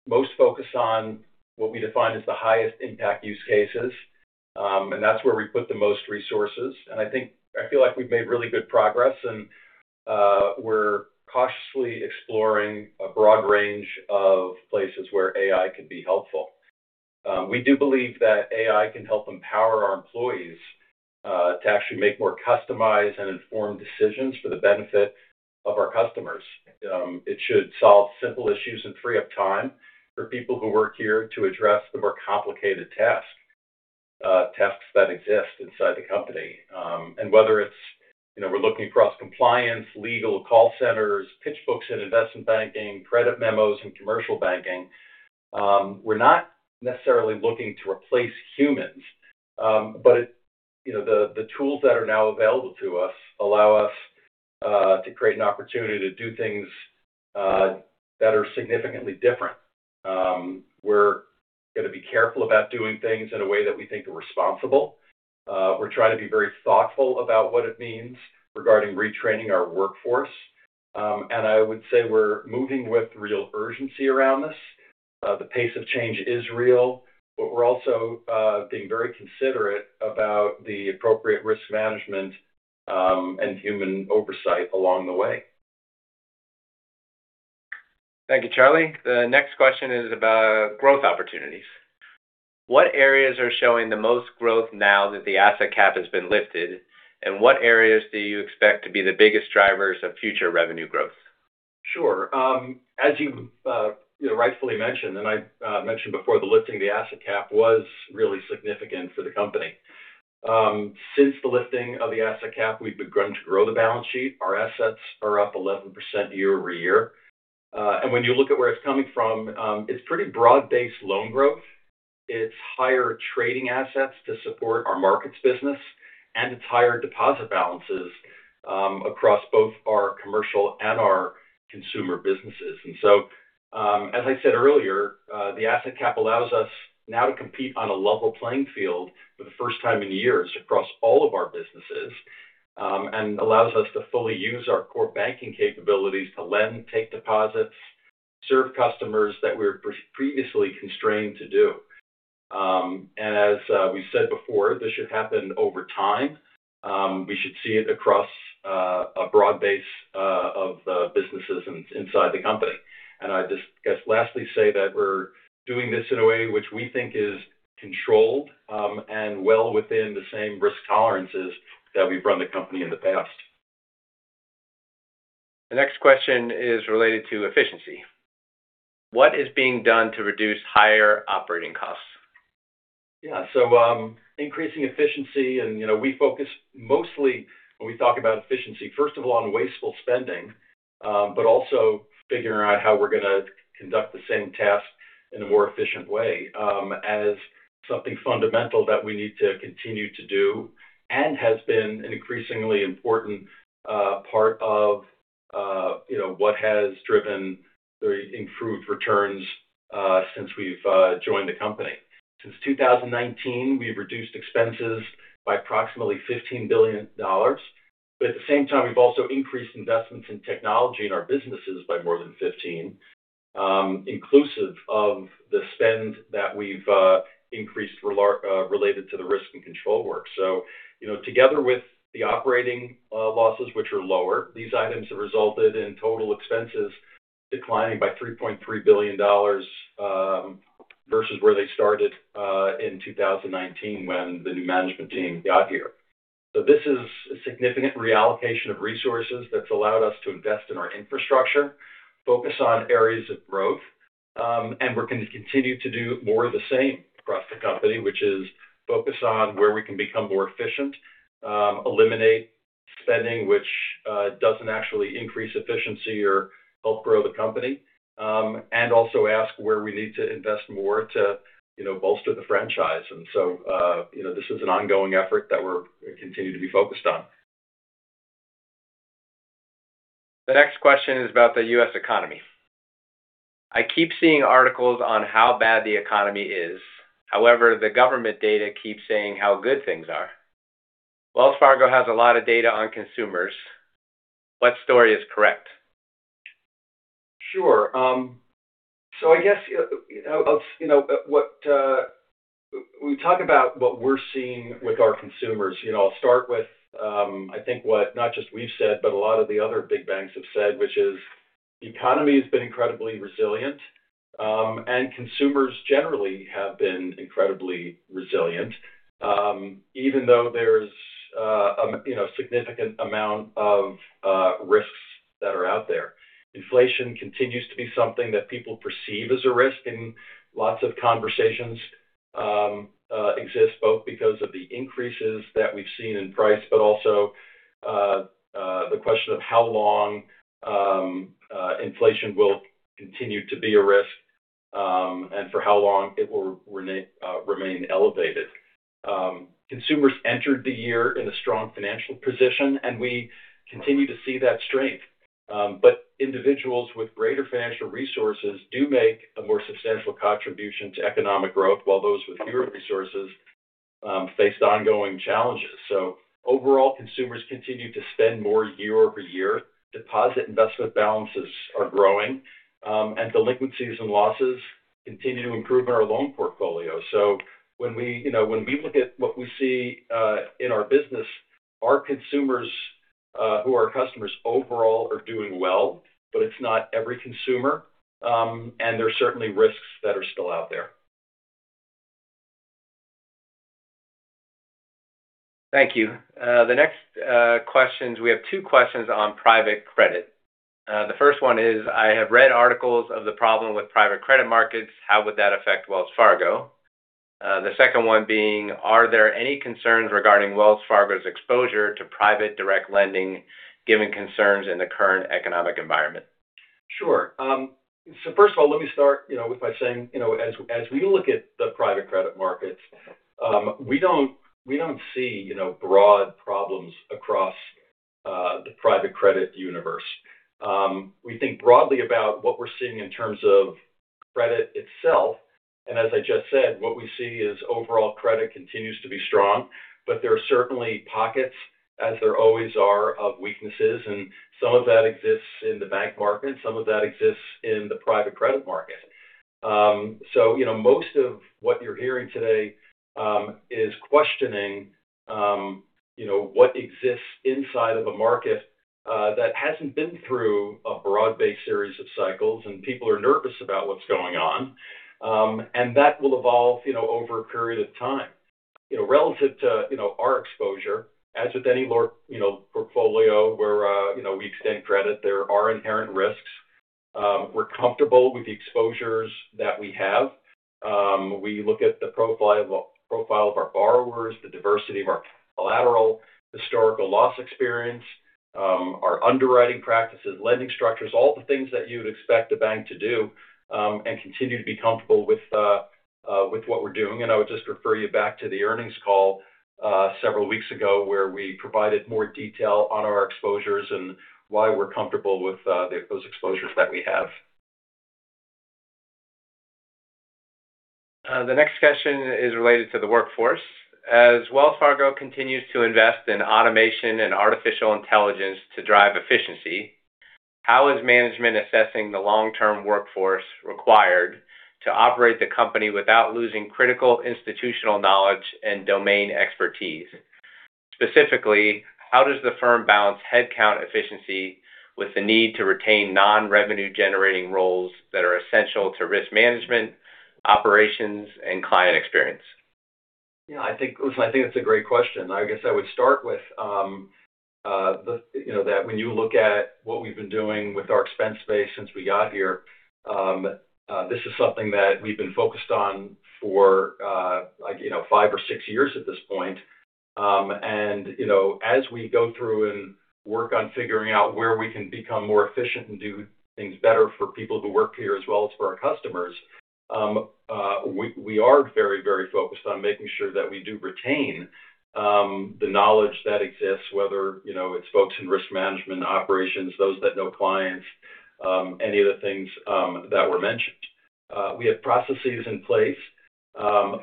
most focused on what we define as the highest impact use cases, and that's where we put the most resources. I feel like we've made really good progress and we're cautiously exploring a broad range of places where AI could be helpful. We do believe that AI can help empower our employees to actually make more customized and informed decisions for the benefit of our customers. It should solve simple issues and free up time for people who work here to address the more complicated tasks that exist inside the company. Whether it's, you know, we're looking across compliance, legal call centers, pitch books in investment banking, credit memos in commercial banking, we're not necessarily looking to replace humans. You know, the tools that are now available to us allow us to create an opportunity to do things that are significantly different. We're going to be careful about doing things in a way that we think are responsible. We're trying to be very thoughtful about what it means regarding retraining our workforce. I would say we're moving with real urgency around this. The pace of change is real, but we're also being very considerate about the appropriate risk management and human oversight along the way.
Thank you, Charlie. The next question is about growth opportunities. What areas are showing the most growth now that the asset cap has been lifted, and what areas do you expect to be the biggest drivers of future revenue growth?
Sure. As you rightfully mentioned, and I mentioned before, the lifting of the asset cap was really significant for the company. Since the lifting of the asset cap, we've begun to grow the balance sheet. Our assets are up 11% year-over-year. When you look at where it's coming from, it's pretty broad-based loan growth. It's higher trading assets to support our markets business, and it's higher deposit balances across both our commercial and our consumer businesses. As I said earlier, the asset cap allows us now to compete on a level playing field for the first time in years across all of our businesses. Allows us to fully use our core banking capabilities to lend, take deposits, serve customers that we were previously constrained to do. As we said before, this should happen over time. We should see it across a broad base of businesses inside the company. I just guess lastly say that we're doing this in a way which we think is controlled and well within the same risk tolerances that we've run the company in the past.
The next question is related to efficiency. What is being done to reduce higher operating costs?
Increasing efficiency, you know, we focus mostly when we talk about efficiency, first of all, on wasteful spending, but also figuring out how we're gonna conduct the same task in a more efficient way, as something fundamental that we need to continue to do and has been an increasingly important part of, you know, what has driven the improved returns since we've joined the company. Since 2019, we've reduced expenses by approximately $15 billion. At the same time, we've also increased investments in technology in our businesses by more than $15 billion, inclusive of the spend that we've increased largely related to the risk and control work. You know, together with the operating losses, which are lower, these items have resulted in total expenses declining by $3.3 billion versus where they started in 2019 when the new management team got here. This is a significant reallocation of resources that's allowed us to invest in our infrastructure, focus on areas of growth. We're going to continue to do more of the same across the company, which is focus on where we can become more efficient, eliminate spending which doesn't actually increase efficiency or help grow the company. Also ask where we need to invest more to, you know, bolster the franchise. You know, this is an ongoing effort that we continue to be focused on.
The next question is about the U.S. economy. I keep seeing articles on how bad the economy is. However, the government data keeps saying how good things are. Wells Fargo has a lot of data on consumers. What story is correct?
Sure. I guess, you know, of, you know, what we talk about what we're seeing with our consumers. You know, I'll start with, I think what not just we've said, but a lot of the other big banks have said, which is the economy has been incredibly resilient, and consumers generally have been incredibly resilient, even though there's a, you know, significant amount of risks that are out there. Inflation continues to be something that people perceive as a risk, and lots of conversations exist both because of the increases that we've seen in price, but also the question of how long inflation will continue to be a risk, and for how long it will remain elevated. Consumers entered the year in a strong financial position, and we continue to see that strength. Individuals with greater financial resources do make a more substantial contribution to economic growth, while those with fewer resources, face ongoing challenges. Overall, consumers continue to spend more year-over-year. Deposit investment balances are growing. Delinquencies and losses continue to improve in our loan portfolio. When we, you know, when we look at what we see, in our business, our consumers, who are customers overall are doing well, but it's not every consumer. There are certainly risks that are still out there.
Thank you. The next questions, we have two questions on private credit. The first one is, I have read articles of the problem with private credit markets. How would that affect Wells Fargo? The second one being, are there any concerns regarding Wells Fargo's exposure to private direct lending, given concerns in the current economic environment?
Sure. First of all, let me start, you know, with by saying, you know, as we look at the private credit markets, we don't, we don't see, you know, broad problems across the private credit universe. We think broadly about what we're seeing in terms of credit itself. As I just said, what we see is overall credit continues to be strong, but there are certainly pockets, as there always are, of weaknesses, and some of that exists in the bank market, some of that exists in the private credit market. You know, most of what you're hearing today, is questioning, you know, what exists inside of a market that hasn't been through a broad-based series of cycles, and people are nervous about what's going on. That will evolve, you know, over a period of time. Relative to our exposure, as with any large portfolio where we extend credit, there are inherent risks. We're comfortable with the exposures that we have. We look at the profile of our borrowers, the diversity of our collateral, historical loss experience, our underwriting practices, lending structures, all the things that you would expect a bank to do, and continue to be comfortable with what we're doing. I would just refer you back to the earnings call several weeks ago, where we provided more detail on our exposures and why we're comfortable with those exposures that we have.
The next question is related to the workforce. As Wells Fargo continues to invest in automation and artificial intelligence to drive efficiency, how is management assessing the long-term workforce required to operate the company without losing critical institutional knowledge and domain expertise? Specifically, how does the firm balance headcount efficiency with the need to retain non-revenue generating roles that are essential to risk management, operations, and client experience?
Yeah. Listen, I think that's a great question. I guess I would start with the, you know, that when you look at what we've been doing with our expense base since we got here, this is something that we've been focused on for, like, you know, five or six years at this point. You know, as we go through and work on figuring out where we can become more efficient and do things better for people who work here as well as for our customers, we are very, very focused on making sure that we do retain the knowledge that exists, whether, you know, it's folks in risk management operations, those that know clients, any of the things that were mentioned. We have processes in place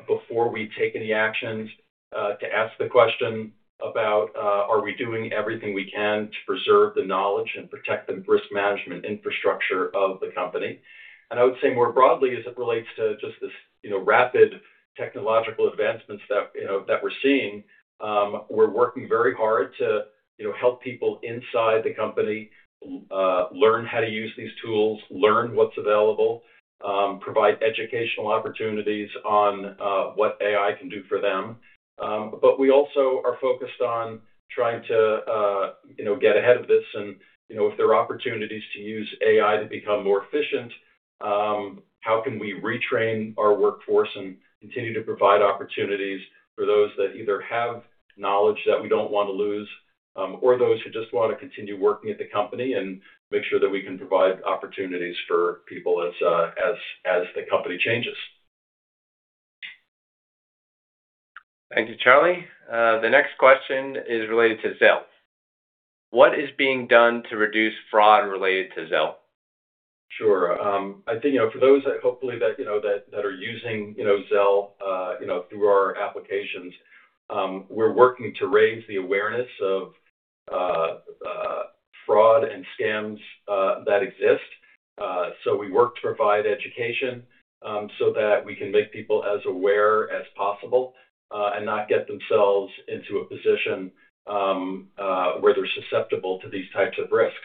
before we take any actions to ask the question about, are we doing everything we can to preserve the knowledge and protect the risk management infrastructure of the company. I would say more broadly as it relates to just this, you know, rapid technological advancements that, you know, that we're seeing, we're working very hard to, you know, help people inside the company learn how to use these tools, learn what's available, provide educational opportunities on what AI can do for them. We also are focused on trying to get ahead of this and if there are opportunities to use AI to become more efficient, how can we retrain our workforce and continue to provide opportunities for those that either have knowledge that we don't want to lose, or those who just want to continue working at the company and make sure that we can provide opportunities for people as the company changes.
Thank you, Charlie. The next question is related to Zelle. What is being done to reduce fraud related to Zelle?
Sure. I think, for those that hopefully that are using Zelle, through our applications, we're working to raise the awareness of fraud and scams that exist. We work to provide education, so that we can make people as aware as possible, and not get themselves into a position where they're susceptible to these types of risks.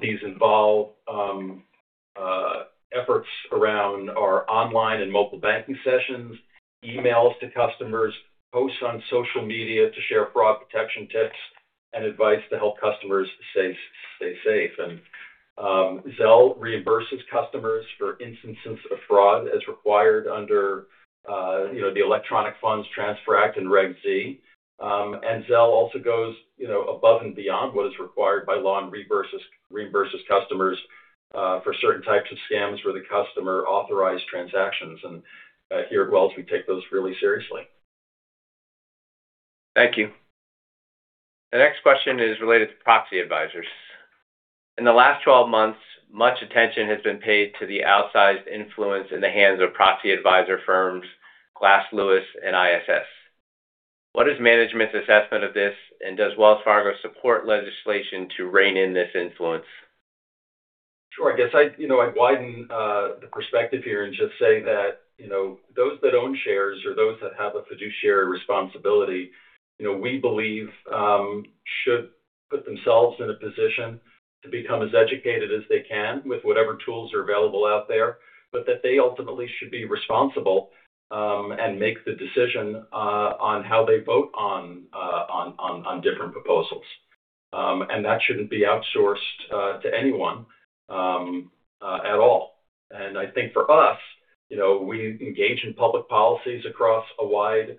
These involve efforts around our online and mobile banking sessions, emails to customers, posts on social media to share fraud protection tips, and advice to help customers stay safe. Zelle reimburses customers for instances of fraud as required under the Electronic Funds Transfer Act and Regulation E. Zelle also goes, you know, above and beyond what is required by law and reverses, reimburses customers for certain types of scams where the customer authorized transactions. Here at Wells, we take those really seriously.
Thank you. The next question is related to proxy advisors. In the last 12 months, much attention has been paid to the outsized influence in the hands of proxy advisor firms, Glass Lewis and ISS. What is management's assessment of this, and does Wells Fargo support legislation to rein in this influence?
Sure. I guess I'd, you know, I'd widen the perspective here and just say that, you know, those that own shares or those that have a fiduciary responsibility, you know, we believe should put themselves in a position to become as educated as they can with whatever tools are available out there. That they ultimately should be responsible and make the decision on how they vote on different proposals. That shouldn't be outsourced to anyone at all. I think for us, you know, we engage in public policies across a wide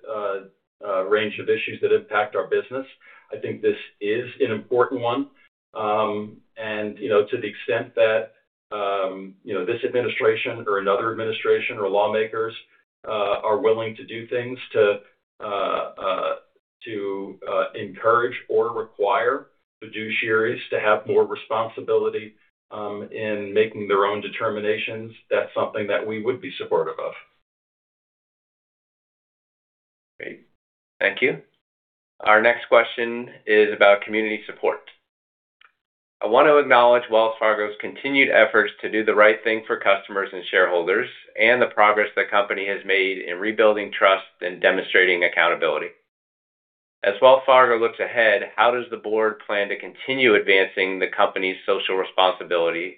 range of issues that impact our business. I think this is an important one. You know, to the extent that, you know, this administration or another administration or lawmakers are willing to do things to encourage or require fiduciaries to have more responsibility in making their own determinations, that's something that we would be supportive of.
Great. Thank you. Our next question is about community support. I want to acknowledge Wells Fargo's continued efforts to do the right thing for customers and shareholders, and the progress the company has made in rebuilding trust and demonstrating accountability. As Wells Fargo looks ahead, how does the board plan to continue advancing the company's social responsibility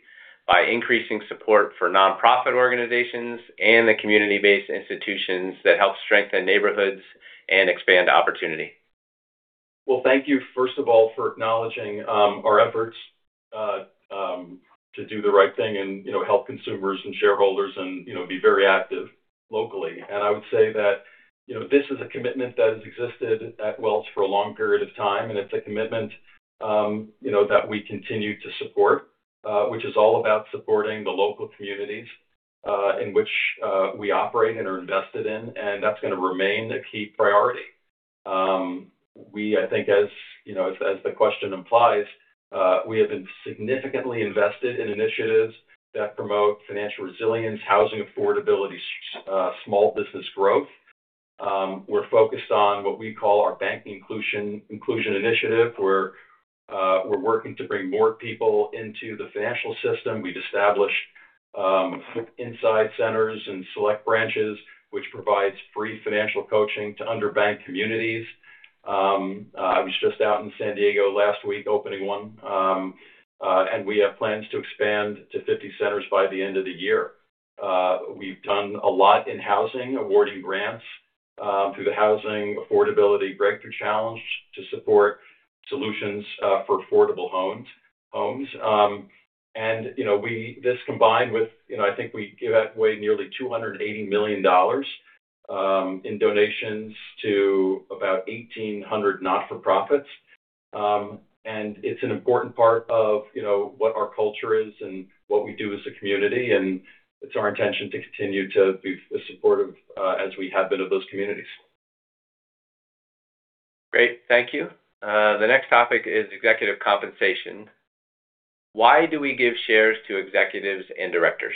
by increasing support for nonprofit organizations and the community-based institutions that help strengthen neighborhoods and expand opportunity?
Well, thank you, first of all, for acknowledging our efforts to do the right thing and, you know, help consumers and shareholders and, you know, be very active locally. I would say that, you know, this is a commitment that has existed at Wells Fargo for a long period of time, and it's a commitment, you know, that we continue to support, which is all about supporting the local communities in which we operate and are invested in, and that's going to remain a key priority. We, I think as, you know, as the question implies, we have been significantly invested in initiatives that promote financial resilience, housing affordability, small business growth. We're focused on what we call our Banking Inclusion Initiative, where we're working to bring more people into the financial system. We've established inside centers and select branches, which provides free financial coaching to underbanked communities. I was just out in San Diego last week opening one. We have plans to expand to 50 centers by the end of the year. We've done a lot in housing, awarding grants through the Housing Affordability Breakthrough Challenge to support solutions for affordable homes. You know, this combined with, you know, I think we gave away nearly $280 million in donations to about 1,800 not-for-profits. It's an important part of, you know, what our culture is and what we do as a community, and it's our intention to continue to be as supportive as we have been of those communities.
Thank you. The next topic is executive compensation. Why do we give shares to executives and directors?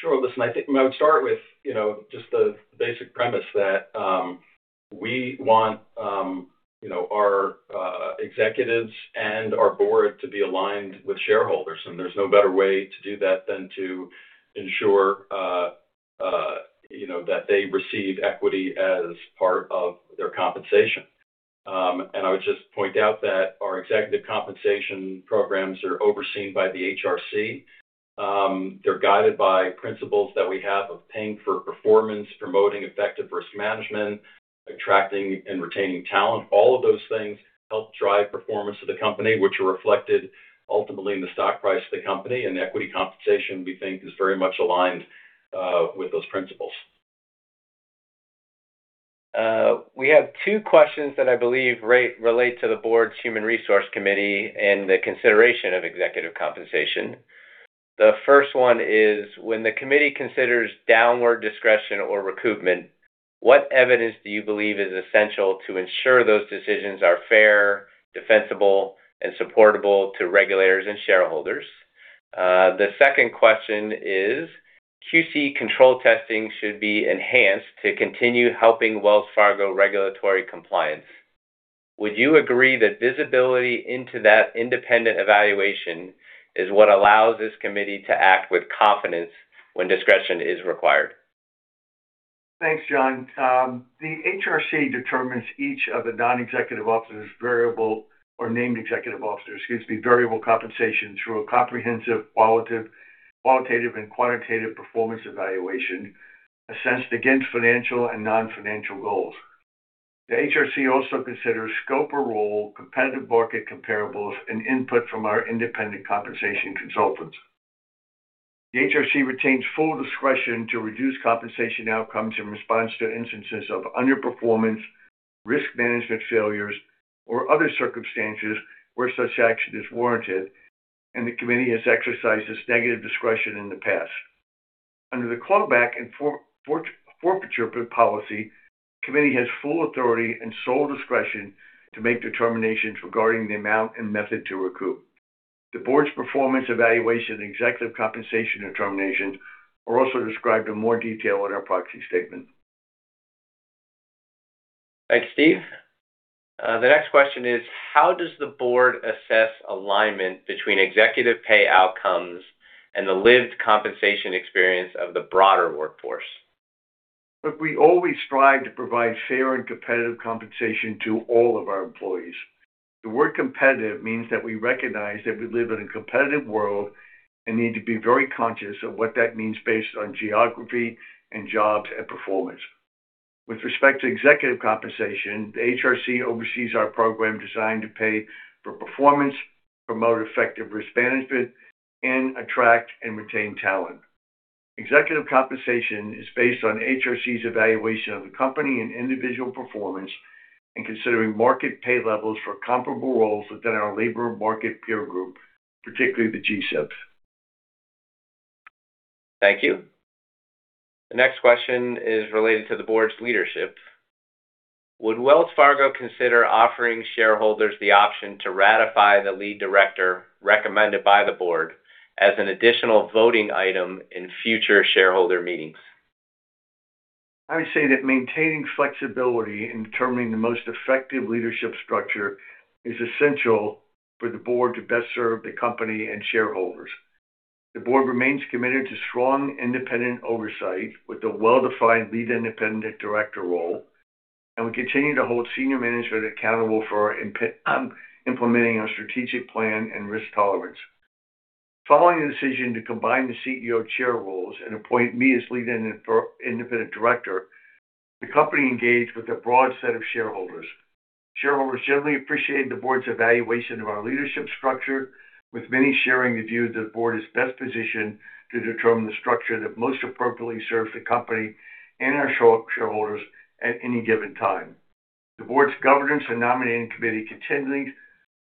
Sure. Listen, I think I'm gonna start with, you know, just the basic premise that we want, you know, our executives and our board to be aligned with shareholders, and there's no better way to do that than to ensure, you know, that they receive equity as part of their compensation. I would just point out that our executive compensation programs are overseen by the HRC. They're guided by principles that we have of paying for performance, promoting effective risk management, attracting and retaining talent. All of those things help drive performance of the company, which are reflected ultimately in the stock price of the company, and equity compensation, we think, is very much aligned with those principles.
We have two questions that I believe relate to the board's Human Resources Committee and the consideration of executive compensation. The first one is, when the committee considers downward discretion or recoupment, what evidence do you believe is essential to ensure those decisions are fair, defensible, and supportable to regulators and shareholders? The second question is, QC control testing should be enhanced to continue helping Wells Fargo regulatory compliance. Would you agree that visibility into that independent evaluation is what allows this committee to act with confidence when discretion is required?
Thanks, John. The HRC determines each of the non-executive officers' variable or named executive officers, excuse me, variable compensation through a comprehensive, qualitative, and quantitative performance evaluation, assessed against financial and non-financial goals. The HRC also considers scope or role, competitive market comparables, and input from our independent compensation consultants. The HRC retains full discretion to reduce compensation outcomes in response to instances of underperformance, risk management failures, or other circumstances where such action is warranted, and the committee has exercised this negative discretion in the past. Under the clawback and forfeiture policy, committee has full authority and sole discretion to make determinations regarding the amount and method to recoup. The board's performance evaluation and executive compensation determination are also described in more detail in our proxy statement.
Thanks, Steve. The next question is, how does the board assess alignment between executive pay outcomes and the lived compensation experience of the broader workforce?
Look, we always strive to provide fair and competitive compensation to all of our employees. The word competitive means that we recognize that we live in a competitive world and need to be very conscious of what that means based on geography and jobs and performance. With respect to executive compensation, the HRC oversees our program designed to pay for performance, promote effective risk management, and attract and retain talent. Executive compensation is based on HRC's evaluation of the company and individual performance and considering market pay levels for comparable roles within our labor market peer group, particularly the G-SIBs.
Thank you. The next question is related to the board's leadership. Would Wells Fargo consider offering shareholders the option to ratify the lead director recommended by the board as an additional voting item in future shareholder meetings?
I would say that maintaining flexibility in determining the most effective leadership structure is essential for the board to best serve the company and shareholders. The board remains committed to strong independent oversight with the well-defined lead independent director role, and we continue to hold senior management accountable for implementing our strategic plan and risk tolerance. Following the decision to combine the CEO chair roles and appoint me as lead independent director, the company engaged with a broad set of shareholders. Shareholders generally appreciated the board's evaluation of our leadership structure, with many sharing the view that the board is best positioned to determine the structure that most appropriately serves the company and our shareholders at any given time. The board's governance and nominating committee continues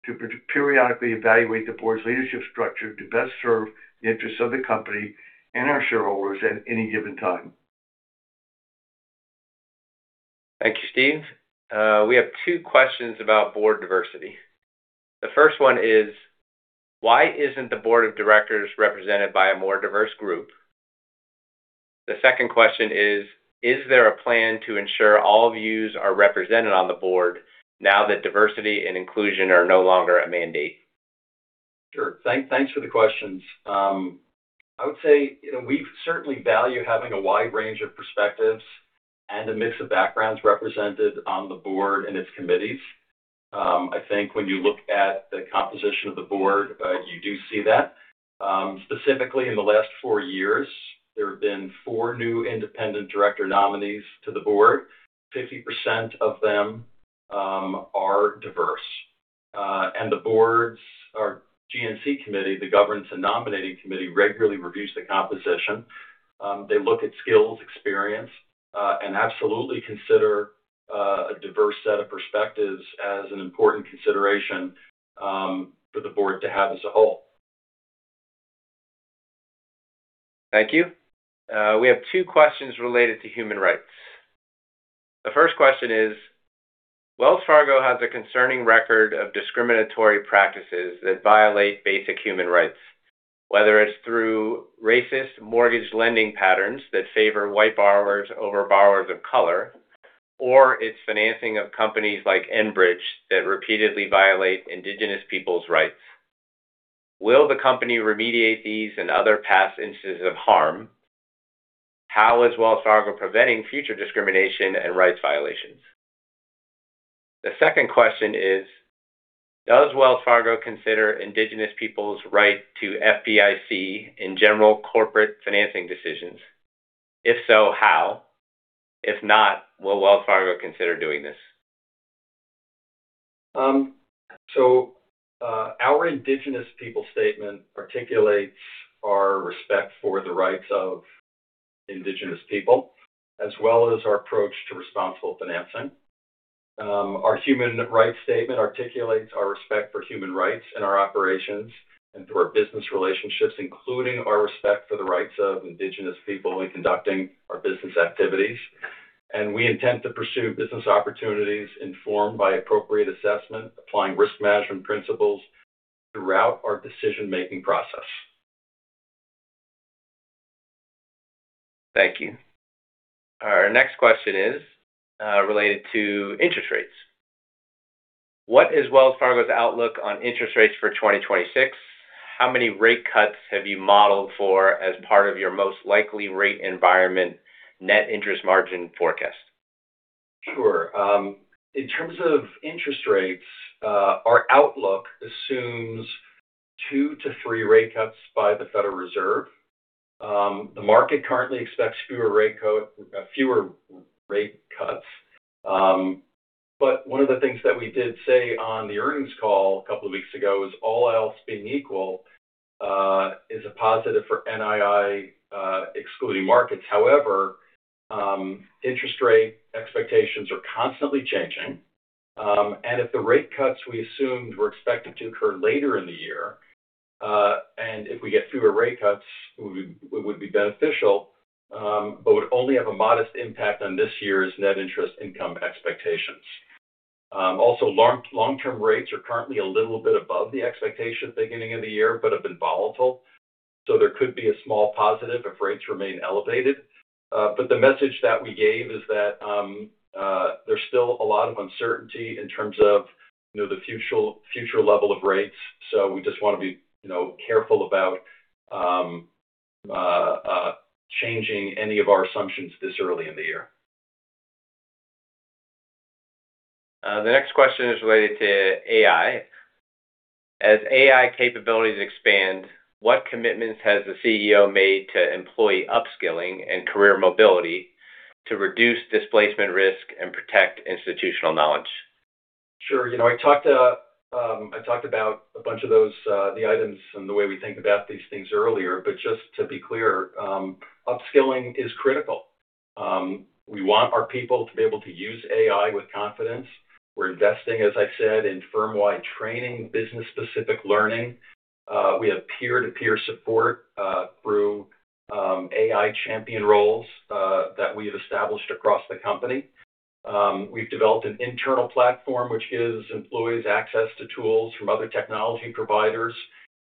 to periodically evaluate the board's leadership structure to best serve the interests of the company and our shareholders at any given time.
Thank you, Steve. We have two questions about board diversity. The first one is, why isn't the board of directors represented by a more diverse group? The second question is there a plan to ensure all views are represented on the board now that diversity and inclusion are no longer a mandate?
Sure. Thanks for the questions. I would say, you know, we certainly value having a wide range of perspectives and a mix of backgrounds represented on the board and its committees. I think when you look at the composition of the board, you do see that. Specifically in the last four years, there have been four new independent director nominees to the board. 50% of them are diverse. The boards, our GNC committee, the governance and nominating committee, regularly reviews the composition. They look at skills, experience, and absolutely consider a diverse set of perspectives as an important consideration for the board to have as a whole.
Thank you. We have two questions related to human rights. The first question is, Wells Fargo has a concerning record of discriminatory practices that violate basic human rights, whether it's through racist mortgage lending patterns that favor white borrowers over borrowers of color, or its financing of companies like Enbridge that repeatedly violate Indigenous Peoples' rights. Will the company remediate these and other past instances of harm? How is Wells Fargo preventing future discrimination and rights violations? The second question is, does Wells Fargo consider Indigenous Peoples' right to FPIC in general corporate financing decisions? If so, how? If not, will Wells Fargo consider doing this?
Our indigenous people statement articulates our respect for the rights of indigenous people, as well as our approach to responsible financing. Our human rights statement articulates our respect for human rights in our operations and through our business relationships, including our respect for the rights of indigenous people in conducting our business activities. We intend to pursue business opportunities informed by appropriate assessment, applying risk management principles throughout our decision-making process.
Thank you. Our next question is related to interest rates. What is Wells Fargo's outlook on interest rates for 2026? How many rate cuts have you modeled for as part of your most likely rate environment net interest margin forecast?
Sure. In terms of interest rates, our outlook assumes two to three rate cuts by the Federal Reserve. The market currently expects fewer rate cuts. One of the things that we did say on the earnings call a couple of weeks ago is all else being equal, is a positive for NII, excluding markets. However, interest rate expectations are constantly changing. If the rate cuts we assumed were expected to occur later in the year, and if we get fewer rate cuts, it would be beneficial, but would only have a modest impact on this year's net interest income expectations. Also long-term rates are currently a little bit above the expectation at the beginning of the year, but have been volatile. There could be a small positive if rates remain elevated. But the message that we gave is that there's still a lot of uncertainty in terms of, you know, the future level of rates. We just wanna be, you know, careful about changing any of our assumptions this early in the year.
The next question is related to AI. As AI capabilities expand, what commitments has the CEO made to employee upskilling and career mobility to reduce displacement risk and protect institutional knowledge?
Sure. You know, I talked, I talked about a bunch of those, the items and the way we think about these things earlier. Just to be clear, upskilling is critical. We want our people to be able to use AI with confidence. We're investing, as I said, in firm-wide training, business-specific learning. We have peer-to-peer support through AI champion roles that we have established across the company. We've developed an internal platform which gives employees access to tools from other technology providers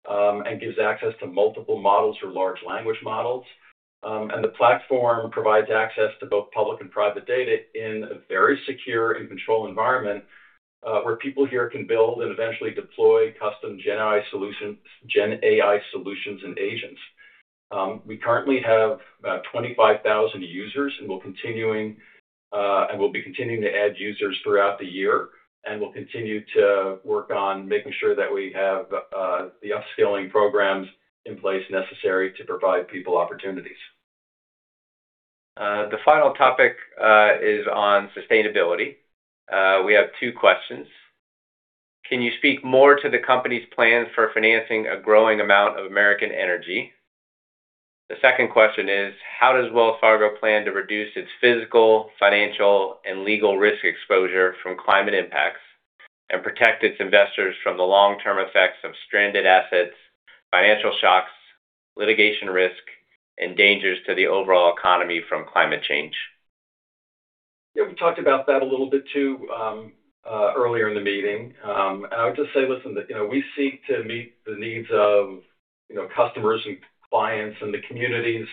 and gives access to multiple models or large language models. The platform provides access to both public and private data in a very secure and controlled environment where people here can build and eventually deploy custom Gen AI solutions and agents. We currently have about 25,000 users, and we'll be continuing to add users throughout the year. We'll continue to work on making sure that we have the upskilling programs in place necessary to provide people opportunities.
The final topic is on sustainability. We have two questions. Can you speak more to the company's plans for financing a growing amount of American energy? The second question is, how does Wells Fargo plan to reduce its physical, financial, and legal risk exposure from climate impacts and protect its investors from the long-term effects of stranded assets, financial shocks, litigation risk, and dangers to the overall economy from climate change?
Yeah, we talked about that a little bit too, earlier in the meeting. I would just say, listen, that, you know, we seek to meet the needs of, you know, customers and clients in the communities,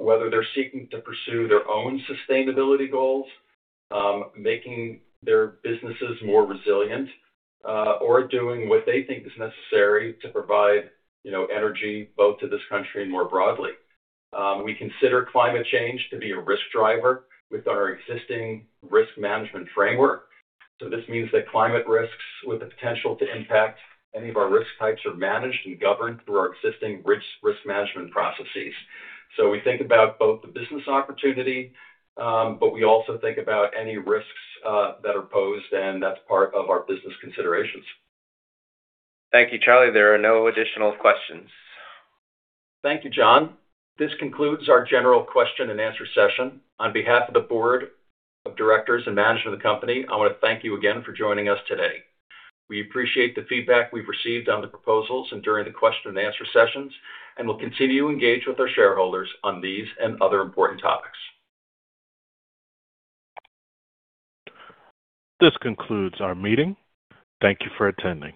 whether they're seeking to pursue their own sustainability goals, making their businesses more resilient, or doing what they think is necessary to provide, you know, energy both to this country and more broadly. We consider climate change to be a risk driver with our existing risk management framework. This means that climate risks with the potential to impact any of our risk types are managed and governed through our existing risk management processes. We think about both the business opportunity, but we also think about any risks that are posed, that's part of our business considerations.
Thank you, Charlie. There are no additional questions.
Thank you, John. This concludes our general question-and-answer session. On behalf of the board of directors and management of the company, I want to thank you again for joining us today. We appreciate the feedback we've received on the proposals and during the question-and-answer sessions, and we'll continue to engage with our shareholders on these and other important topics.
This concludes our meeting. Thank you for attending.